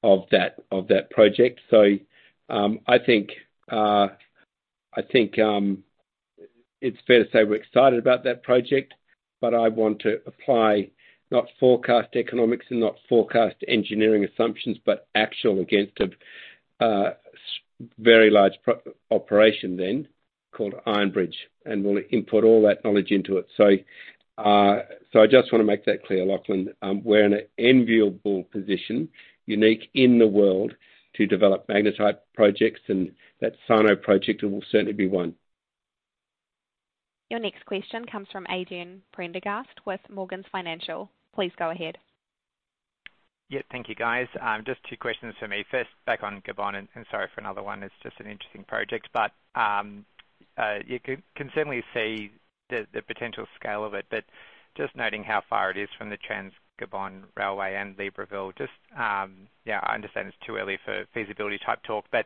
of that project. I think, I think it's fair to say we're excited about that project, but I want to apply not forecast economics and not forecast engineering assumptions, but actual against a very large operation then called Iron Bridge, and we'll input all that knowledge into it. I just wanna make that clear, Lachlan. We're in an enviable position, unique in the world to develop magnetite projects and that Sino project will certainly be one. Your next question comes from Adrian Prendergast with Morgans Financial. Please go ahead. Yeah. Thank you, guys. Just two questions from me. First, back on Gabon, and sorry for another one, it's just an interesting project. You can certainly see the potential scale of it. Just noting how far it is from the Trans-Gabon Railway and Libreville, just, yeah, I understand it's too early for feasibility type talk, but,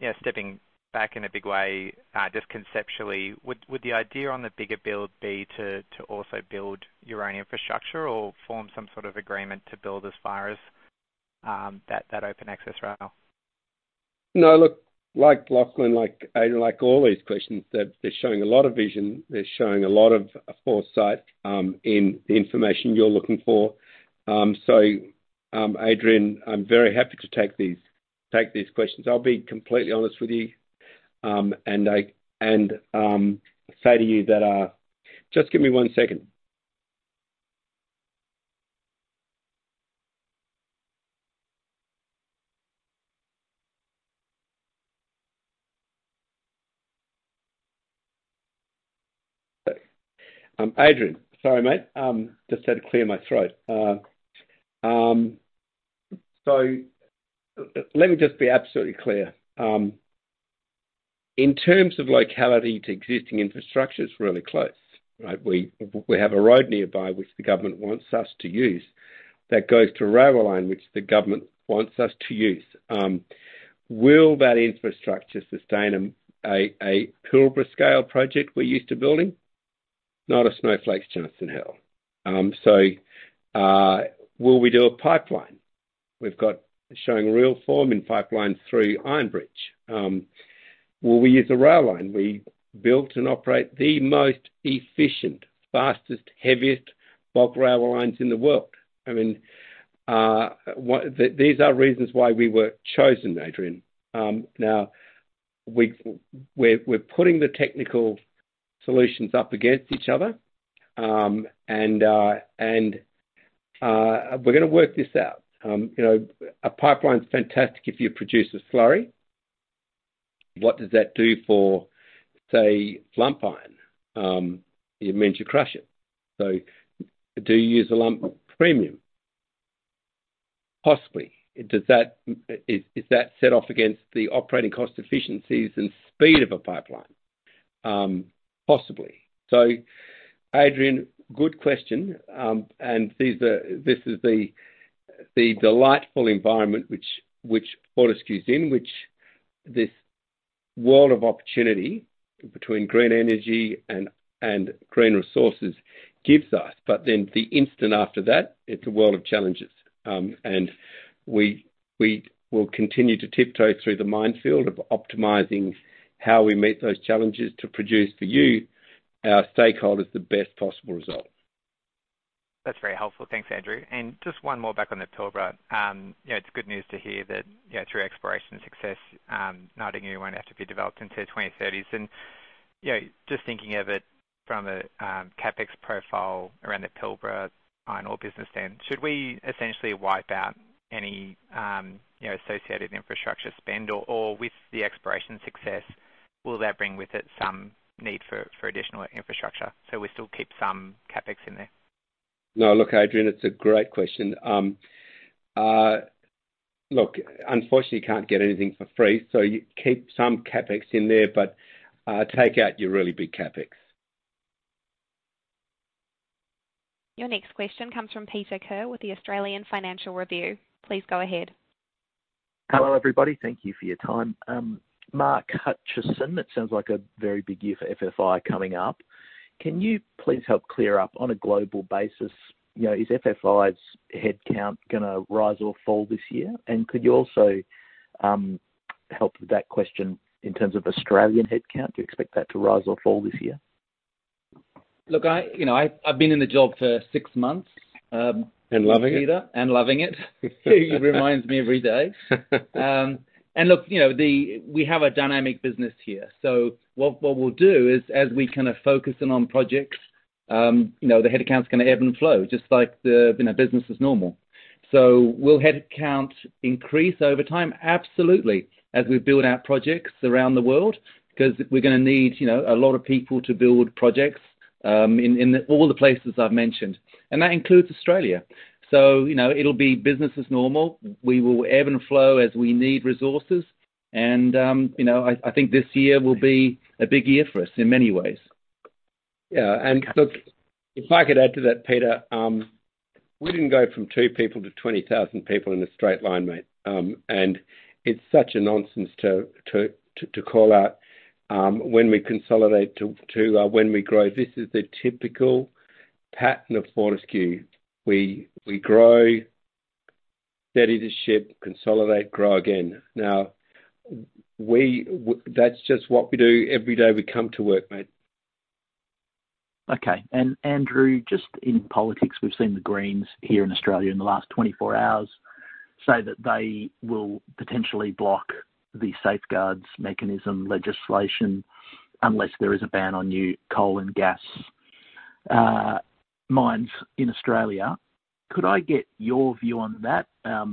you know, stepping back in a big way, just conceptually, would the idea on the bigger build be to also build your own infrastructure or form some sort of agreement to build as far as, that open access rail? No, look like Lachlan, like Adrian, like all these questions, they're showing a lot of vision. They're showing a lot of foresight in the information you're looking for. Adrian, I'm very happy to take these questions. I'll be completely honest with you, and I and say to you that. Just give me one second. Adrian, sorry, mate. Just had to clear my throat. Let me just be absolutely clear. In terms of locality to existing infrastructure, it's really close, right? We have a road nearby which the government wants us to use that goes to a rail line which the government wants us to use. Will that infrastructure sustain a Pilbara scale project we're used to building? Not a snowflake's chance in hell. Will we do a pipeline? We've got showing real form in pipeline through Iron Bridge. Will we use a rail line? We built and operate the most efficient, fastest, heaviest bulk rail lines in the world. I mean, these are reasons why we were chosen, Adrian. Now we're putting the technical solutions up against each other, and we're gonna work this out. You know, a pipeline's fantastic if you produce a slurry. What does that do for, say, lump iron? It means you crush it. Do you use a lump premium? Possibly. Is that set off against the operating cost efficiencies and speed of a pipeline? Possibly. Adrian, good question. This is the delightful environment which Fortescue's in, which this world of opportunity between green energy and green resources gives us. The instant after that, it's a world of challenges. We will continue to tiptoe through the minefield of optimizing how we meet those challenges to produce for you, our stakeholders, the best possible result. That's very helpful. Thanks, Andrew. Just one more back on the Pilbara. You know, it's good news to hear that, you know, through exploration success, Nightingale won't have to be developed until 2030s. You know, just thinking of it from a CapEx profile around the Pilbara iron ore business, then should we essentially wipe out any, you know, associated infrastructure spend? With the exploration success, will that bring with it some need for additional infrastructure so we still keep some CapEx in there? Adrian, it's a great question. Unfortunately, you can't get anything for free, so you keep some CapEx in there, but take out your really big CapEx. Your next question comes from Peter Ker with the Australian Financial Review. Please go ahead. Hello, everybody. Thank you for your time. Mark Hutchinson, it sounds like a very big year for FFI coming up. Can you please help clear up on a global basis, you know, is FFI's headcount gonna rise or fall this year? Could you also, help with that question in terms of Australian headcount? Do you expect that to rise or fall this year? Look, I, you know, I've been in the job for six months. Loving it. Thanks, Peter. Loving it. He reminds me every day. Look, you know, we have a dynamic business here. What we'll do is as we kind of focus in on projects, you know, the headcount's gonna ebb and flow just like the, you know, business as normal. Will headcount increase over time? Absolutely. As we build our projects around the world, 'cause we're gonna need, you know, a lot of people to build projects, in all the places I've mentioned, and that includes Australia. You know, it'll be business as normal. We will ebb and flow as we need resources and, you know, I think this year will be a big year for us in many ways. Yeah. Look, if I could add to that, Peter, we didn't go from two people to 20,000 people in a straight line, mate. It's such a nonsense to call out when we consolidate to when we grow. This is the typical pattern of Fortescue. We grow, steady the ship, consolidate, grow again. Now that's just what we do every day we come to work, mate. Andrew, just in politics, we've seen the Greens here in Australia in the last 24 hours say that they will potentially block the Safeguard Mechanism legislation unless there is a ban on new coal and gas mines in Australia. Could I get your view on that? I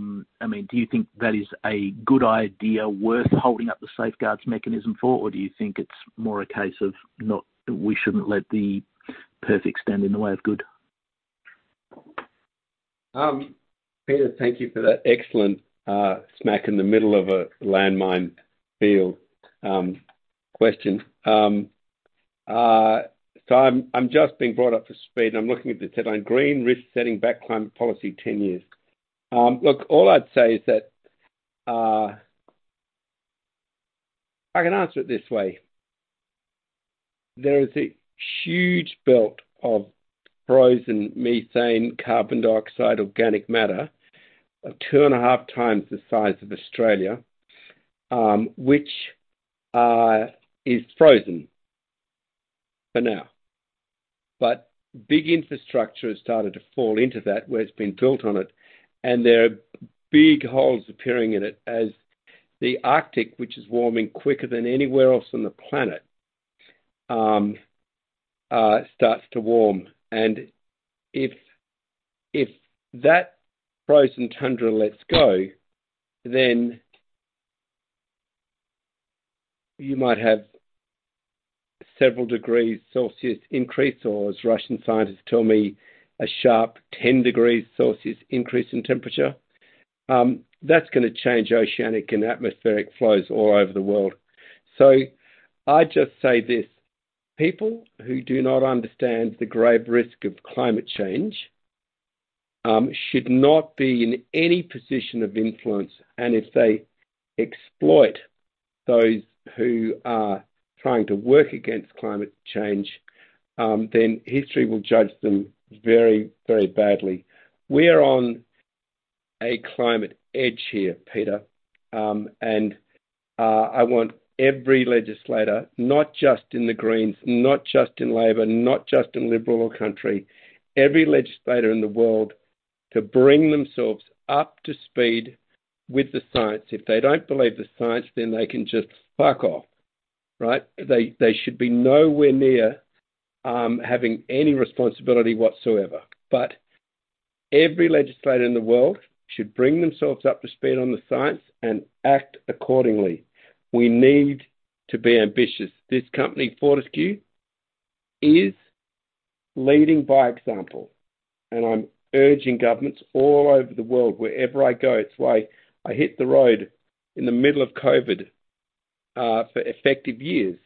mean, do you think that is a good idea worth holding up the Safeguard Mechanism for, or do you think it's more a case of we shouldn't let the perfect stand in the way of good? Peter, thank you for that excellent smack in the middle of a landmine field question. I'm just being brought up to speed. I'm looking at the headline, Green risk setting back climate policy 10 years. Look, all I'd say is that I can answer it this way. There is a huge belt of frozen methane, carbon dioxide, organic matter, 2.5 times the size of Australia, which is frozen for now. Big infrastructure has started to fall into that, where it's been built on it, and there are big holes appearing in it as the Arctic, which is warming quicker than anywhere else on the planet, starts to warm. If that frozen tundra lets go, then you might have several degrees Celsius increase or as Russian scientists tell me, a sharp 10 degrees Celsius increase in temperature. That's going to change oceanic and atmospheric flows all over the world. I just say this, people who do not understand the grave risk of climate change, should not be in any position of influence. If they exploit those who are trying to work against climate change, then history will judge them very, very badly. We are on a climate edge here, Peter, I want every legislator, not just in the Greens, not just in Labor, not just in Liberal or Country, every legislator in the world to bring themselves up to speed with the science. If they don't believe the science, then they can just fuck off, right? They should be nowhere near having any responsibility whatsoever. Every legislator in the world should bring themselves up to speed on the science and act accordingly. We need to be ambitious. This company, Fortescue, is leading by example, and I'm urging governments all over the world wherever I go. It's why I hit the road in the middle of COVID for effective years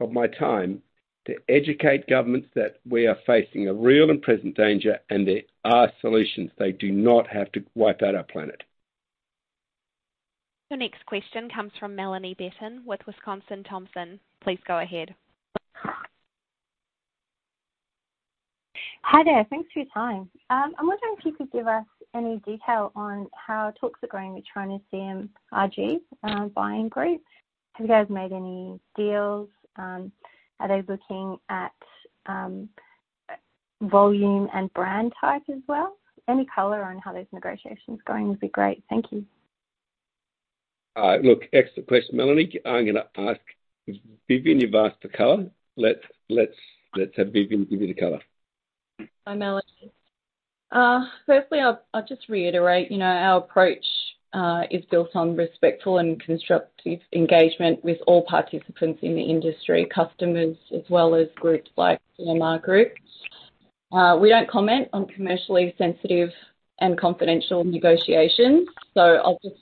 of my time to educate governments that we are facing a real and present danger and there are solutions. They do not have to wipe out our planet. Your next question comes from Melanie Burton with Thomson Reuters. Please go ahead. Hi there. Thanks for your time. I'm wondering if you could give us any detail on how talks are going with China CMRG buying group. Have you guys made any deals? Are they looking at volume and brand type as well? Any color on how this negotiation is going would be great. Thank you. Look, excellent question, Melanie. I'm gonna ask Vivienne. You've asked for color. Let's have Vivienne give you the color. Hi, Melanie. firstly, I'll just reiterate, you know, our approach is built on respectful and constructive engagement with all participants in the industry, customers as well as groups like CMR Group. We don't comment on commercially sensitive and confidential negotiations, so I'll just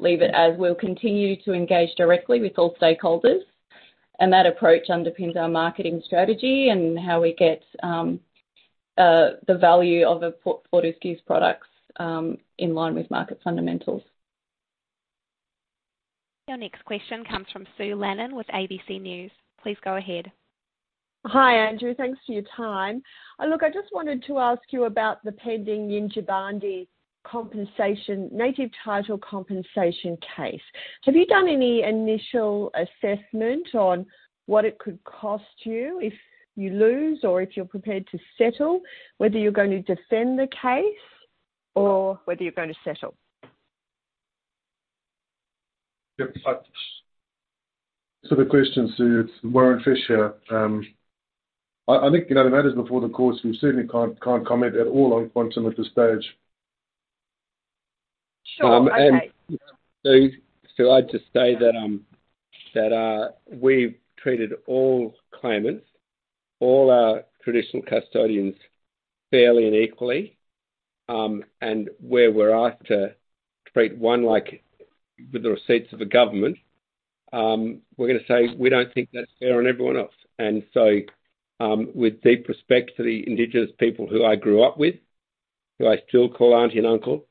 leave it as we'll continue to engage directly with all stakeholders. That approach underpins our marketing strategy and how we get the value of the Fortescue's products in line with market fundamentals. Your next question comes from Sue Lannin with ABC News. Please go ahead. Hi, Andrew. Thanks for your time. Look, I just wanted to ask you about the pending Yindjibarndi native title compensation case. Have you done any initial assessment on what it could cost you if you lose or if you're prepared to settle, whether you're going to defend the case or whether you're going to settle? Yeah. The question, Sue, it's Warren Fish here. I think, you know, the matter's before the courts, we certainly can't comment at all on quantum at this stage. Sure. Okay. Sue, I'd just say that, we've treated all claimants, all our traditional custodians fairly and equally, and where we're asked to treat one like with the receipts of the government, we're gonna say we don't think that's fair on everyone else. So, with deep respect to the indigenous people who I grew up with, who I still call auntie and uncle,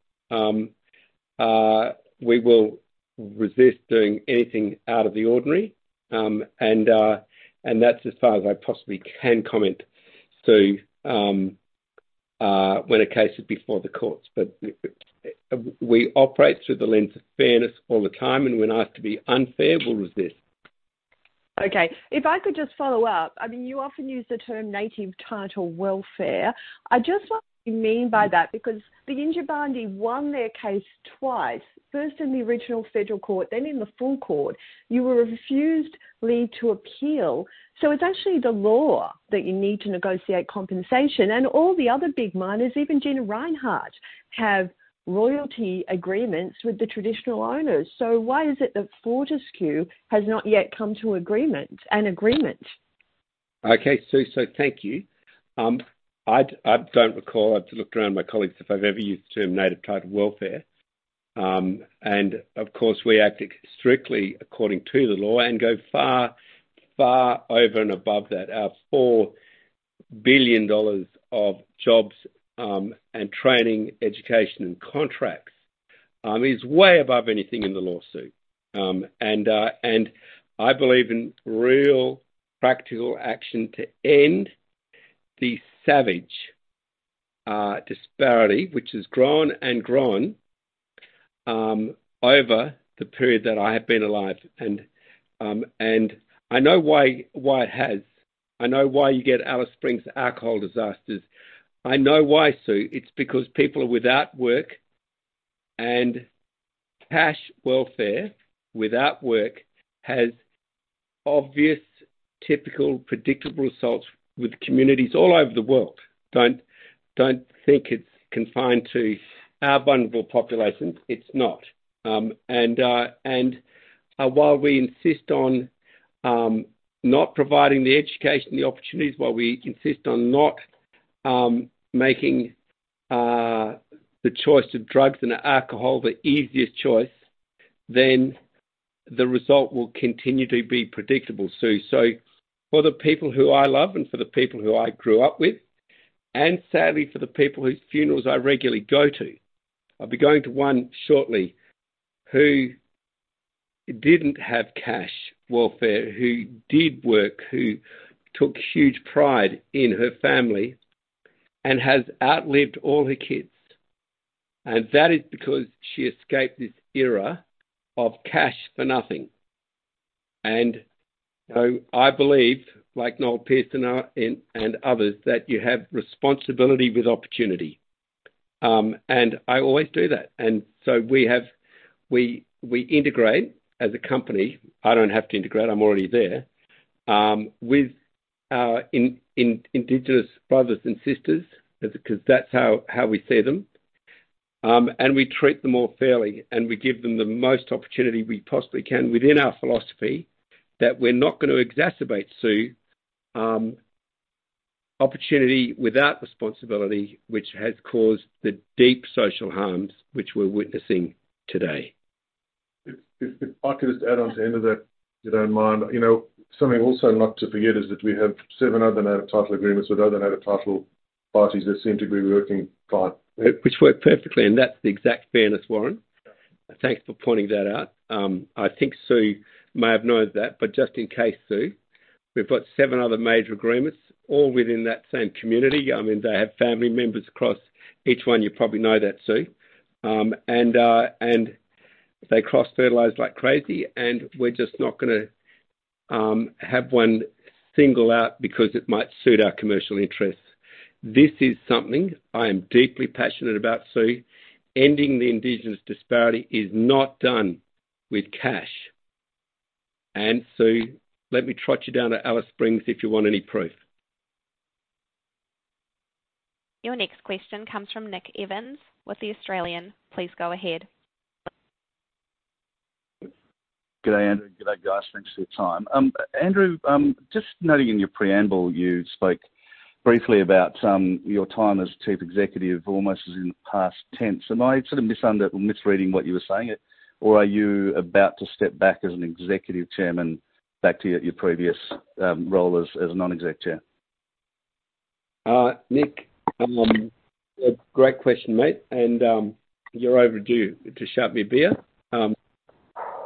we will resist doing anything out of the ordinary, and that's as far as I possibly can comment, Sue, when a case is before the courts. We operate through the lens of fairness all the time, and we're not to be unfair, we'll resist. Okay. If I could just follow up. I mean, you often use the term "Native Title welfare". I just wonder what you mean by that because the Yindjibarndi won their case twice, first in the original federal court, then in the full court. You were refused leave to appeal. It's actually the law that you need to negotiate compensation. All the other big miners, even Gina Rinehart, have royalty agreements with the traditional owners. Why is it that Fortescue has not yet come to an agreement? Okay, Sue, thank you. I don't recall. I have to look around my colleagues if I've ever used the term Native Title welfare. Of course, we act strictly according to the law and go far, far over and above that. Our $4 billion of jobs, and training, education, and contracts, is way above anything in the lawsuit. I believe in real practical action to end the savage disparity, which has grown and grown, over the period that I have been alive. I know why it has. I know why you get Alice Springs alcohol disasters. I know why, Sue. It's because people are without work, and cash welfare without work has obvious, typical, predictable results with communities all over the world. Don't think it's confined to our vulnerable population. While we insist on not providing the education, the opportunities, while we insist on not making the choice of drugs and alcohol the easiest choice, then the result will continue to be predictable, Sue. For the people who I love and for the people who I grew up with, and sadly, for the people whose funerals I regularly go to, I'll be going to one shortly, who didn't have cash welfare, who did work, who took huge pride in her family and has outlived all her kids. That is because she escaped this era of cash for nothing. You know, I believe, like Noel Pearson and others, that you have responsibility with opportunity. I always do that. We integrate as a company. I don't have to integrate, I'm already there, with our indigenous brothers and sisters 'cause that's how we see them. We treat them all fairly, and we give them the most opportunity we possibly can within our philosophy that we're not gonna exacerbate, Sue, opportunity without responsibility, which has caused the deep social harms which we're witnessing today. If I could just add on to the end of that, if you don't mind. You know, something also not to forget is that we have seven other Native Title agreements with other Native Title parties that seem to be working fine. Which worked perfectly, and that's the exact fairness, Warren. Thanks for pointing that out. I think Sue may have known that, but just in case, Sue, we've got seven other major agreements all within that same community. I mean, they have family members across each one. You probably know that, Sue. They cross-fertilize like crazy, and we're just not gonna have one single out because it might suit our commercial interests. This is something I am deeply passionate about, Sue. Ending the indigenous disparity is not done with cash. Sue, let me trot you down to Alice Springs if you want any proof. Your next question comes from Nick Evans with The Australian. Please go ahead. Good day, Andrew. Good day, guys. Thanks for your time. Andrew, just noting in your preamble, you spoke briefly about your time as Chief Executive almost as in the past tense. Am I sort of misreading what you were saying, or are you about to step back as an Executive Chairman back to your previous, role as a non-exec chair? Nick, a great question, mate. You're overdue to shout me a beer.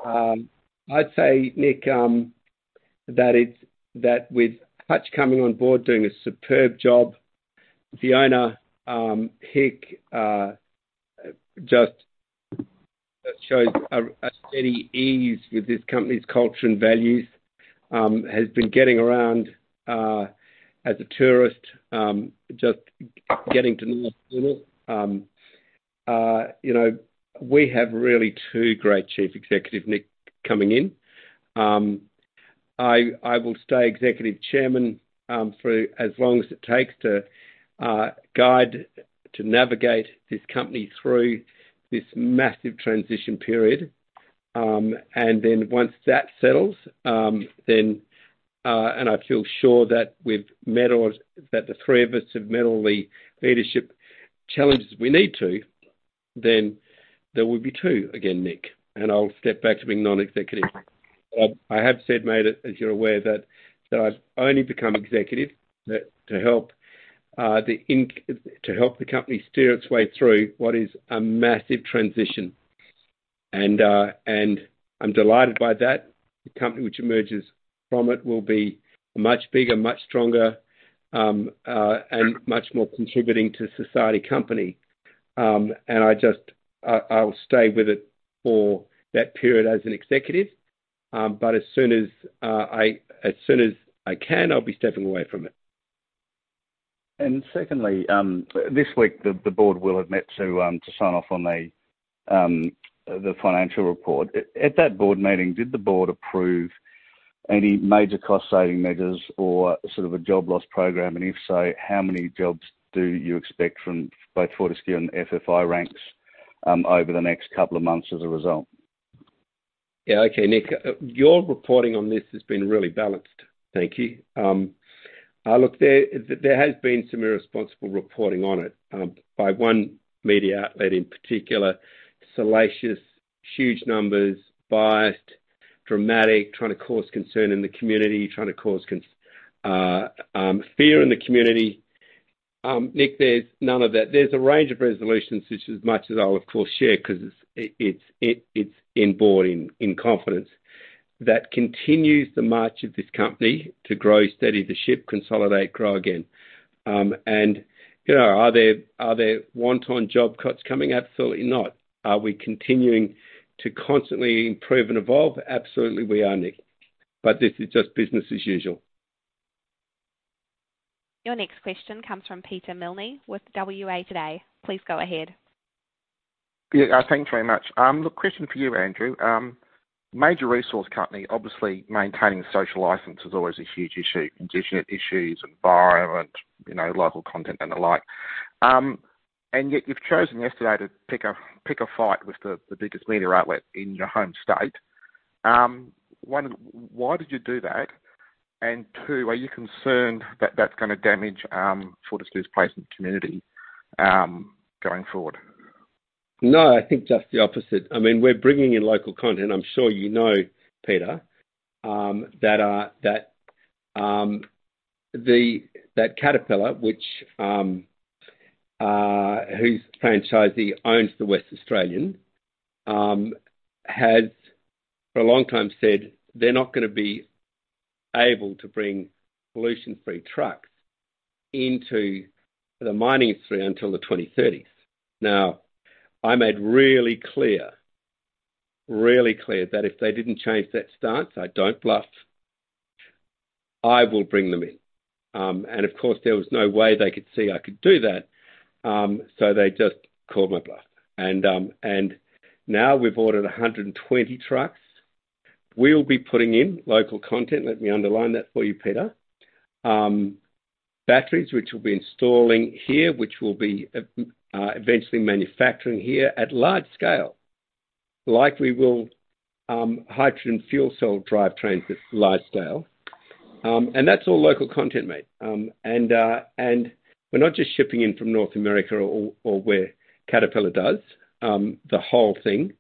I'd say, Nick, that with Hutch coming on board doing a superb job, Fiona Hick just shows a steady ease with this company's culture and values, has been getting around as a tourist, just getting to know us a little. You know, we have really two great chief executive, Nick, coming in. I will stay Executive Chairman for as long as it takes to guide, to navigate this company through this massive transition period. Once that settles, then, and I feel sure that the three of us have met all the leadership challenges we need to, then there will be two again, Nick. I'll step back to being non-executive. I have said, mate, as you're aware, that I've only become executive to help the company steer its way through what is a massive transition. I'm delighted by that. The company which emerges from it will be a much bigger, much stronger, and much more contributing to society company. I just, I'll stay with it for that period as an executive, but as soon as I can, I'll be stepping away from it. Secondly, this week the board will have met to sign off on the financial report. At that board meeting, did the board approve any major cost-saving measures or sort of a job loss program? If so, how many jobs do you expect from both Fortescue and FFI ranks over the next couple of months as a result? Yeah, okay, Nick. Your reporting on this has been really balanced. Thank you. Look, there has been some irresponsible reporting on it by one media outlet in particular. Salacious, huge numbers, biased, dramatic, trying to cause concern in the community, trying to cause fear in the community. Nick, there's none of that. There's a range of resolutions, which is as much as I'll, of course, share 'cause it's in board in confidence, that continues the march of this company to grow steady the ship, consolidate, grow again. You know, are there one-time job cuts coming? Absolutely not. Are we continuing to constantly improve and evolve? Absolutely, we are, Nick. This is just business as usual. Your next question comes from Peter Milne with WAtoday. Please go ahead. Yeah, thanks very much. Look, question for you, Andrew. Major resource company, obviously maintaining a social license is always a huge issue. Indigenous issues, environment, you know, local content and the like. And yet you've chosen yesterday to pick a fight with the biggest media outlet in your home state. One, why did you do that? Two, are you concerned that that's gonna damage Fortescue's placement community going forward? No, I think just the opposite. I mean, we're bringing in local content. I'm sure you know, Peter, that Caterpillar, which, whose franchisee owns The West Australian, has for a long time said they're not gonna be able to bring pollution-free trucks into the mining stream until the 2030s. Now, I made really clear, really clear that if they didn't change that stance, I don't bluff, I will bring them in. Of course, there was no way they could see I could do that, so they just called my bluff. Now we've ordered 120 trucks. We'll be putting in local content. Let me underline that for you, Peter. Batteries, which we'll be installing here, which we'll be eventually manufacturing here at large scale, like we will hydrogen fuel cell drive trains at large scale. That's all local content, mate. We're not just shipping in from North America or where Caterpillar does the whole thing.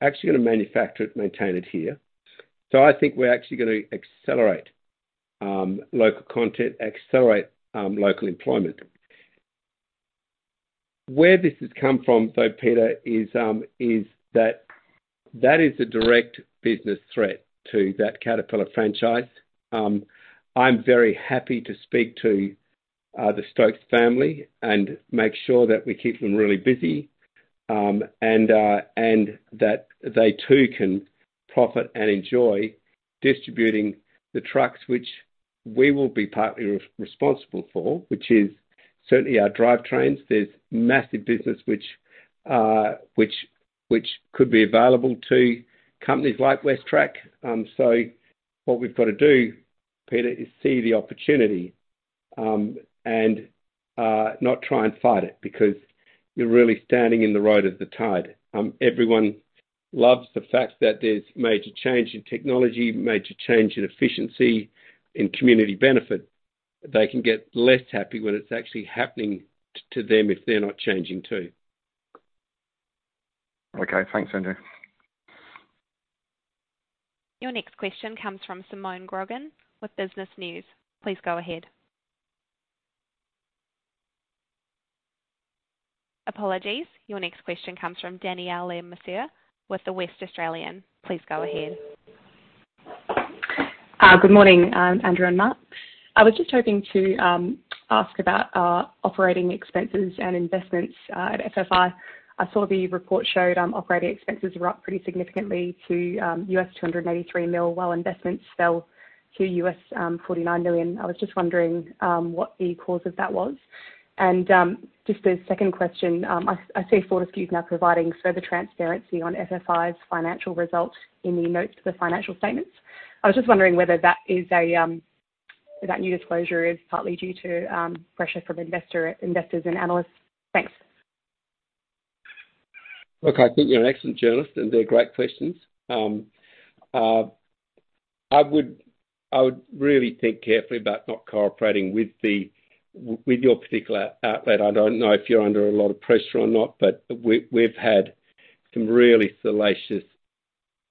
Actually gonna manufacture it, maintain it here. I think we're actually gonna accelerate local content, accelerate local employment. Where this has come from, though, Peter, is that that is a direct business threat to that Caterpillar franchise. I'm very happy to speak to the Stokes family and make sure that we keep them really busy, and that they too can profit and enjoy distributing the trucks which we will be partly responsible for, which is certainly our drivetrains. There's massive business which could be available to companies like WesTrac. What we've got to do, Peter, is see the opportunity, not try and fight it because you're really standing in the ride of the tide. Everyone loves the fact that there's major change in technology, major change in efficiency and community benefit. They can get less happy when it's actually happening to them if they're not changing too. Okay. Thanks, Andrew. Your next question comes from Simone Grogan with Business News. Please go ahead. Apologies. Your next question comes from Danielle Le Messurier with The West Australian. Please go ahead. Good morning, Andrew and Mark. I was just hoping to ask about OpEx and investments at FFI. I saw the report showed OpEx were up pretty significantly to $283 million, while investments fell to $49 million. I was just wondering what the cause of that was. Just a second question. I see Fortescue's now providing further transparency on FFI's financial results in the notes to the financial statements. I was just wondering whether that new disclosure is partly due to pressure from investors and analysts. Thanks. Look, I think you're an excellent journalist, they're great questions. I would really think carefully about not cooperating with your particular outlet. I don't know if you're under a lot of pressure or not, but we've had some really salacious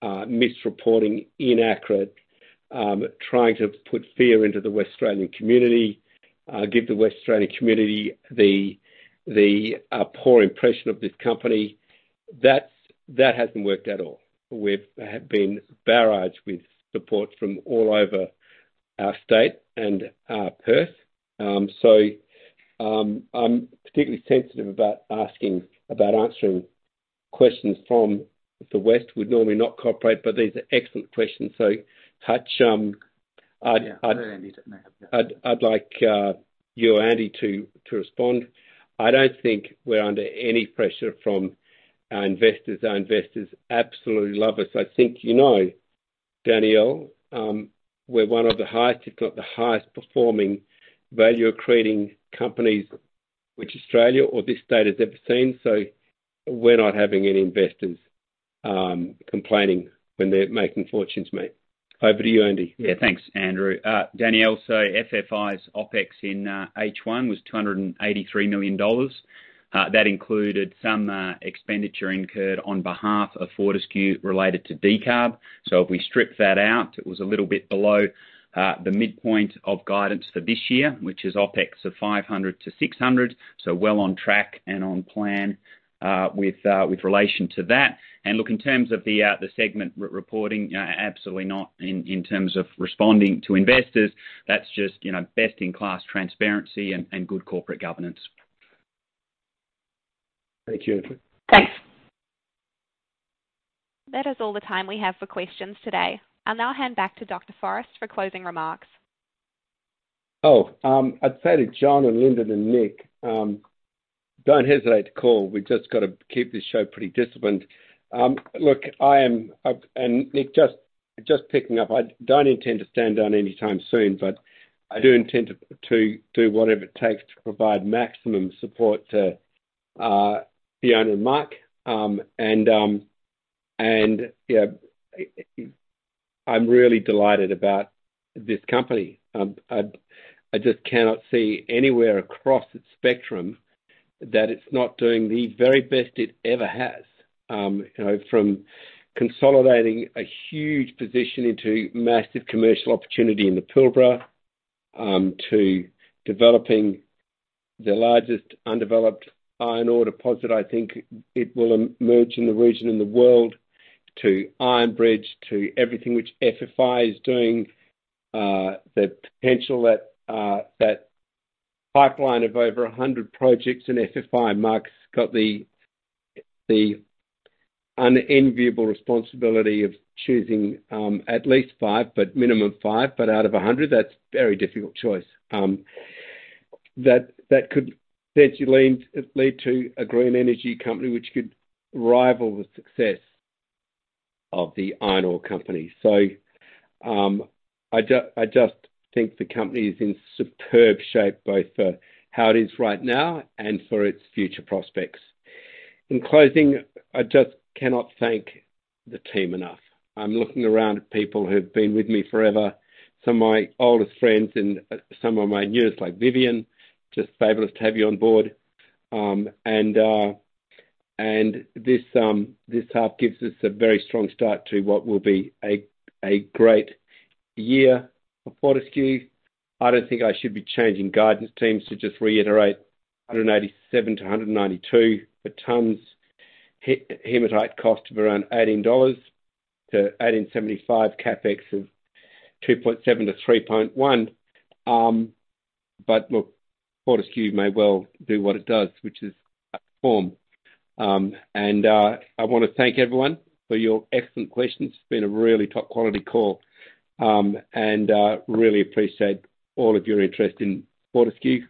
misreporting, inaccurate, trying to put fear into the West Australian community, give the West Australian community the poor impression of this company. That hasn't worked at all. We've been barrage with support from all over our state and Perth. I'm particularly sensitive about answering questions from the West. We'd normally not cooperate, but these are excellent questions. Hutch, I'd... Yeah. No, Andy. No, yeah. I'd like you or Andy to respond. I don't think we're under any pressure from our investors. Our investors absolutely love us. I think you know, Danielle Le Messurier, we're one of the highest, if not the highest performing value-creating companies which Australia or this state has ever seen. We're not having any investors complaining when they're making fortunes, mate. Over to you, Andy. Yeah. Thanks, Andrew. Danielle, FFI's OpEx in H1 was $283 million. That included some expenditure incurred on behalf of Fortescue related to decarb. If we strip that out, it was a little bit below the midpoint of guidance for this year, which is OpEx of $500-$600. Well on track and on plan with relation to that. Look, in terms of the segment re-reporting, absolutely not in terms of responding to investors. That's just, you know, best-in-class transparency and good corporate governance. Thank you, Andy. Thanks. That is all the time we have for questions today. I'll now hand back to Dr. Forrest for closing remarks. I'd say to John, and Lyndon, and Nick, don't hesitate to call. We've just got to keep this show pretty disciplined. Look, and Nick, just picking up. I don't intend to stand down anytime soon, but I do intend to do whatever it takes to provide maximum support to Fiona and Mark. You know, I'm really delighted about this company. I just cannot see anywhere across its spectrum that it's not doing the very best it ever has. You know, from consolidating a huge position into massive commercial opportunity in the Pilbara, to developing the largest undeveloped iron ore deposit, I think it will emerge in the region, in the world, to Iron Bridge, to everything which FFI is doing, the potential that pipeline of over 100 projects in FFI. Mark's got the unenviable responsibility of choosing at least five, but minimum five, but out of 100. That's a very difficult choice. That could potentially lead to a green energy company which could rival the success of the Iron Ore Company. I just think the company is in superb shape, both for how it is right now and for its future prospects. In closing, I just cannot thank the team enough. I'm looking around at people who've been with me forever, some of my oldest friends and some of my newest, like Viviennne. Just fabulous to have you on board. This half gives us a very strong start to what will be a great year for Fortescue. I don't think I should be changing guidance teams to just reiterate 187 to 192 for tons. Hematite cost of around $18-$18.75. CapEx of $2.7 billion-$3.1 billion. Fortescue may well do what it does, which is perform. I wanna thank everyone for your excellent questions. It's been a really top-quality call, really appreciate all of your interest in Fortescue.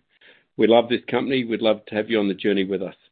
We love this company. We'd love to have you on the journey with us.